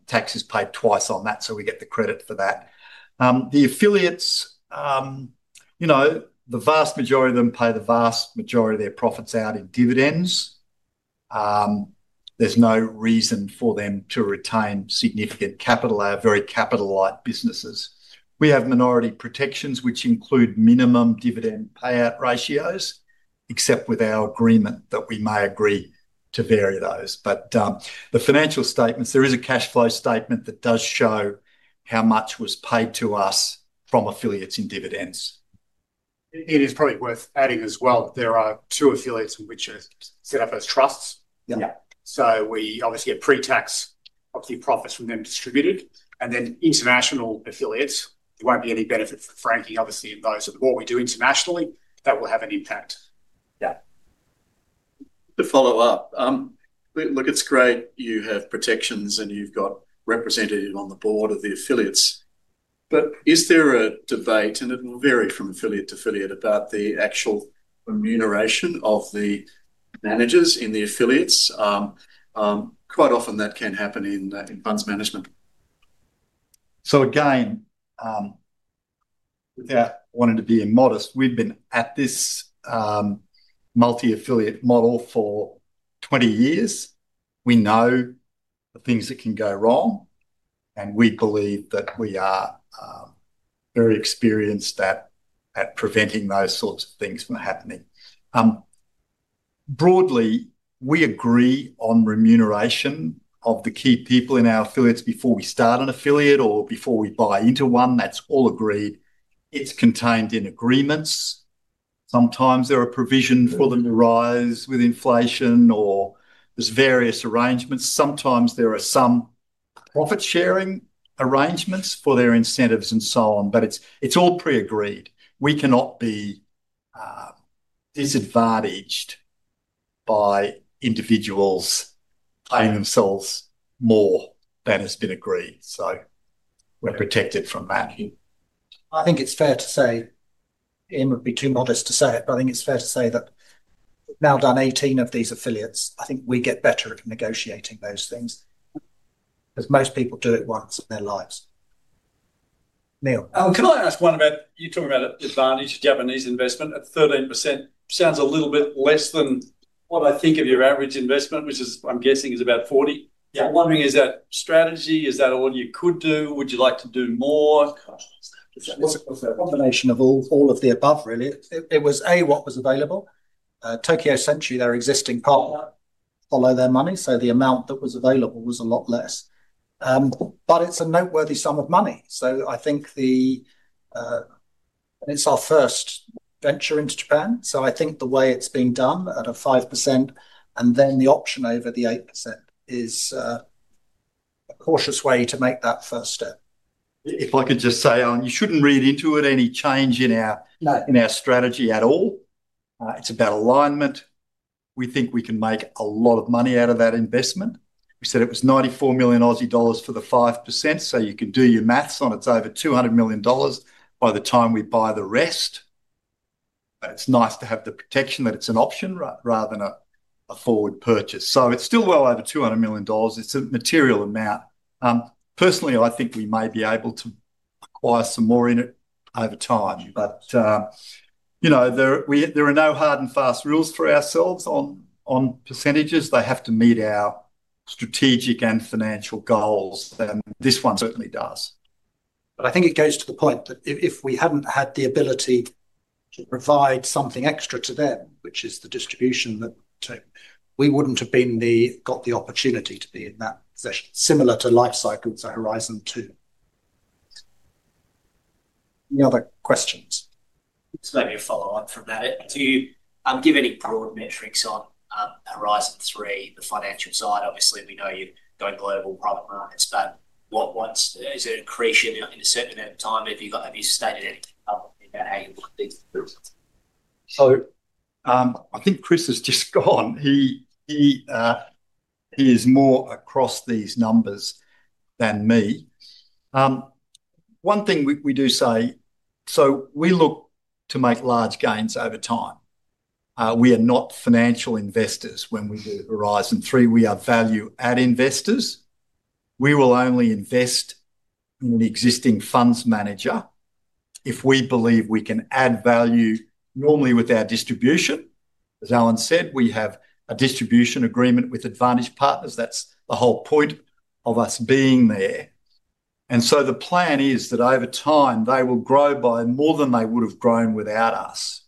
[SPEAKER 4] tax is paid twice on that, so we get the credit for that. The affiliates, the vast majority of them pay the vast majority of their profits out in dividends. There's no reason for them to retain significant capital. They are very capital-light businesses. We have minority protections, which include minimum dividend payout ratios, except with our agreement that we may agree to vary those. The financial statements, there is a cash flow statement that does show how much was paid to us from affiliates in dividends. It is probably worth adding as well that there are two affiliates which are set up as trusts. We obviously get pre-tax of the profits from them distributed. International affiliates, there won't be any benefit for franking, obviously, in those. What we do internationally, that will have an impact. To follow up, it's great you have protections and you've got representatives on the board of the affiliates. Is there a debate, and it will vary from affiliate to affiliate, about the actual remuneration of the managers in the affiliates? Quite often, that can happen in funds management. Without wanting to be immodest, we've been at this multi-affiliate model for 20 years. We know the things that can go wrong, and we believe that we are very experienced at preventing those sorts of things from happening. Broadly, we agree on remuneration of the key people in our affiliates before we start an affiliate or before we buy into one. That's all agreed. It's contained in agreements. Sometimes there are provisions for them to rise with inflation, or there's various arrangements. Sometimes there are some profit-sharing arrangements for their incentives and so on, but it's all pre-agreed. We cannot be disadvantaged by individuals paying themselves more than has been agreed. We're protected from that.
[SPEAKER 1] I think it's fair to say Ian would be too modest to say it, but I think it's fair to say that we've now done 18 of these affiliates. I think we get better at negotiating those things because most people do it once in their lives. Can I ask one about you talking about Advantage Partners' Japanese investment at 13%? Sounds a little bit less than what I think of your average investment, which I'm guessing is about 40%. I'm wondering, is that strategy? Is that all you could do? Would you like to do more? Combination of all of the above, really. It was, A, what was available. Tokyo Sentry, their existing partner, followed their money. The amount that was available was a lot less, but it's a noteworthy sum of money. It's our first venture into Japan. The way it's being done at a 5% and then the option over the 8% is a cautious way to make that first step.
[SPEAKER 3] If I could just say, you shouldn't read into it any change in our strategy at all. It's about alignment. We think we can make a lot of money out of that investment. We said it was 94 million Aussie dollars for the 5%. You can do your maths on it's over 200 million dollars by the time we buy the rest. It's nice to have the protection that it's an option rather than a forward purchase. It's still well over 200 million dollars. It's a material amount. Personally, I think we may be able to acquire some more in it over time. There are no hard and fast rules for ourselves on percentages. They have to meet our strategic and financial goals, and this one certainly does.
[SPEAKER 1] I think it goes to the point that if we hadn't had the ability to provide something extra to them, which is the distribution, we wouldn't have got the opportunity to be in that position. Similar to Life Cycle's at Horizon 2. Any other questions? Maybe a follow-up from that. Do you give any broad metrics on Horizon 3, the financial side? Obviously, we know you're going global, private markets, but is there an accretion in a certain amount of time? Have you stated anything about how you look at these?
[SPEAKER 3] I think Chris has just gone. He is more across these numbers than me. One thing we do say, we look to make large gains over time. We are not financial investors when we do Horizon 3. We are value-add investors. We will only invest in an existing funds manager if we believe we can add value, normally with our distribution. As Alan said, we have a distribution agreement with Advantage Partners. That's the whole point of us being there, and the plan is that over time, they will grow by more than they would have grown without us.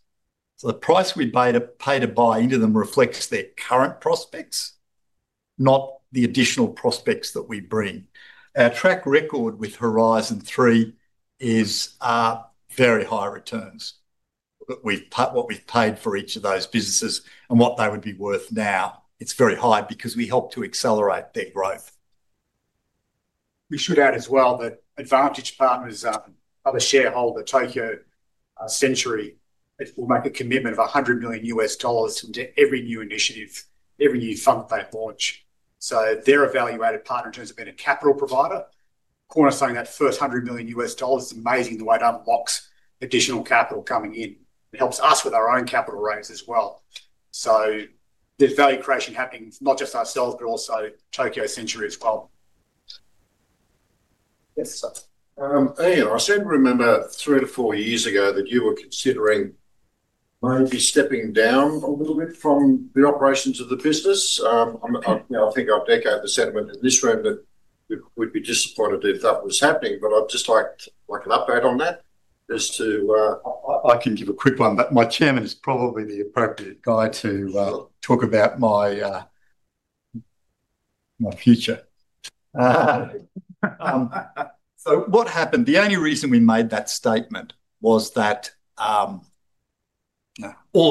[SPEAKER 3] The price we pay to buy into them reflects their current prospects, not the additional prospects that we bring. Our track record with Horizon 3 is very high returns. What we've paid for each of those businesses and what they would be worth now, it's very high because we help to accelerate their growth. We should add as well that Advantage Partners' other shareholder, Tokyo Sentry, will make a commitment of USAUD 100 million into every new initiative, every new fund they launch. They're a value-add partner in terms of being a capital provider. Of course I'm saying that first USAUD 100 million is amazing the way it unlocks additional capital coming in. It helps us with our own capital raise as well. There's value creation happening, not just ourselves, but also Tokyo Sentry as well. Yes. I seem to remember three to four years ago that you were considering. Maybe stepping down a little bit from the operations of the business. I think I've detected the sentiment in this room that we'd be disappointed if that was happening. I'd just like an update on that. I can give a quick one, but my Chairman is probably the appropriate guy to talk about my future. The only reason we made that statement was that all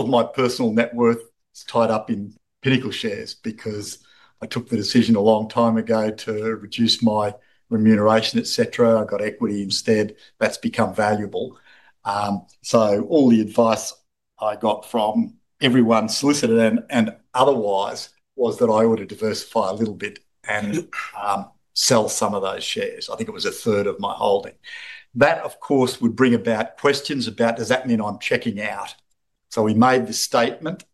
[SPEAKER 3] of my personal net worth is tied up in Pinnacle shares because I took the decision a long time ago to reduce my remuneration, etc. I got equity instead. That's become valuable. All the advice I got from everyone, solicited and otherwise, was that I ought to diversify a little bit and sell some of those shares. I think it was a third of my holding. That, of course, would bring about questions about, does that mean I'm checking out? We made the statement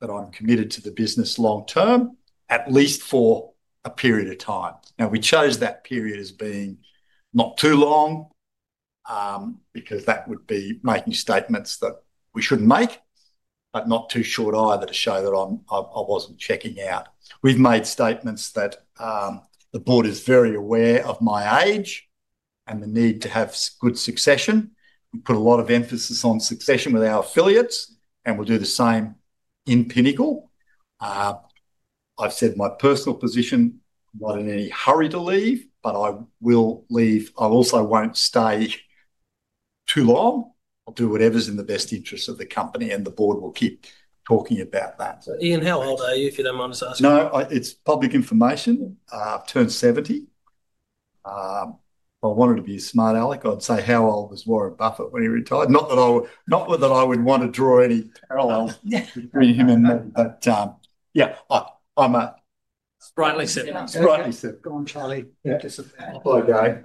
[SPEAKER 3] that I'm committed to the business long-term, at least for a period of time. We chose that period as being not too long because that would be making statements that we shouldn't make, but not too short either to show that I wasn't checking out. We've made statements that the board is very aware of my age and the need to have good succession. We put a lot of emphasis on succession with our affiliates, and we'll do the same in Pinnacle. I've said my personal position, not in any hurry to leave, but I will leave. I also won't stay too long. I'll do whatever's in the best interest of the company, and the board will keep talking about that. Ian, how old are you, if you don't mind us asking? No, it's public information. I've turned 70. If I wanted to be a smart alec, I'd say how old was Warren Buffett when he retired? Not that I would want to draw any parallels between him and me, but yeah. I'm a slightly similar. Slightly similar.
[SPEAKER 1] Go on, Charlie.
[SPEAKER 3] Hello Gary.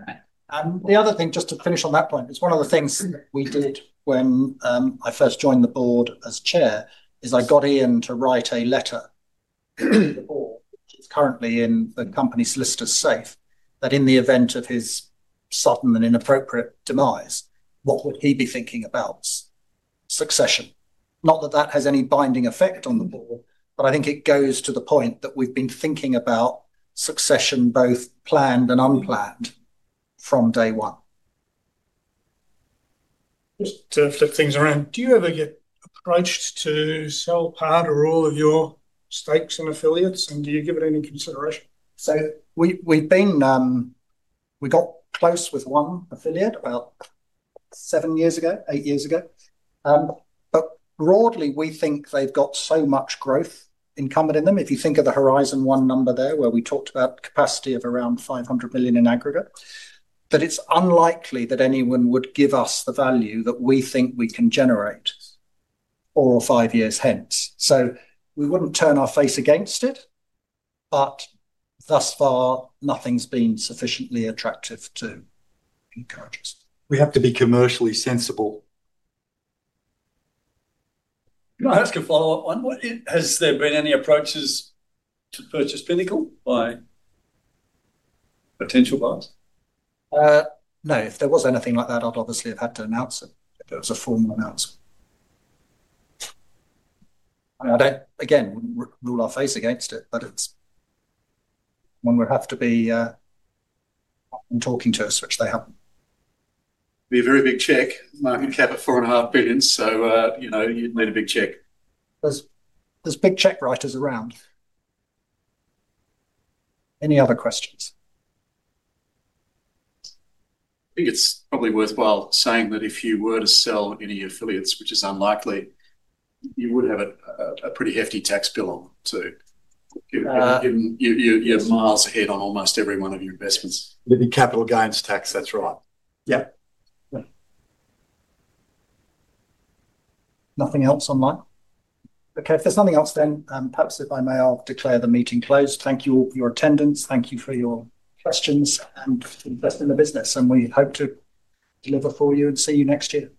[SPEAKER 1] The other thing, just to finish on that point, it's one of the things that we did when I first joined the board as Chair, is I got Ian to write a letter to the board, which is currently in the company's solicitor's safe, that in the event of his sudden and inappropriate demise, what would he be thinking about succession. Not that that has any binding effect on the board, but I think it goes to the point that we've been thinking about succession, both planned and unplanned, from day one. Just to flip things around, do you ever get approached to sell part or all of your stakes and affiliates, and do you give it any consideration? We've got. Close with one affiliate about 7 years ago, eight years ago. Broadly, we think they've got so much growth incumbent in them. If you think of the Horizon 1 number there, where we talked about capacity of around 500 billion in aggregate, it's unlikely that anyone would give us the value that we think we can generate 4 or 5 years hence. We wouldn't turn our face against it. Thus far, nothing's been sufficiently attractive to encourage us. We have to be commercially sensible.
[SPEAKER 2] Can I ask a follow-up one? Has there been any approaches to purchase Pinnacle by potential buyers?
[SPEAKER 1] No. If there was anything like that, I'd obviously have had to announce it. If there was a formal announcement, I wouldn't rule our face against it, but one would have to be talking to us, which they haven't.
[SPEAKER 2] Be a very big check. Market cap at 4.5 billion, so you'd need a big check.
[SPEAKER 1] There's big check writers around. Any other questions?
[SPEAKER 2] I think it's probably worthwhile saying that if you were to sell any affiliates, which is unlikely, you would have a pretty hefty tax bill on them too. You're miles ahead on almost every one of your investments.
[SPEAKER 1] With the capital gains tax, that's right. Yep. Nothing else online? Okay. If there's nothing else, then perhaps, if I may, I'll declare the meeting closed. Thank you all for your attendance. Thank you for your questions and investing in the business. We hope to deliver for you and see you next year.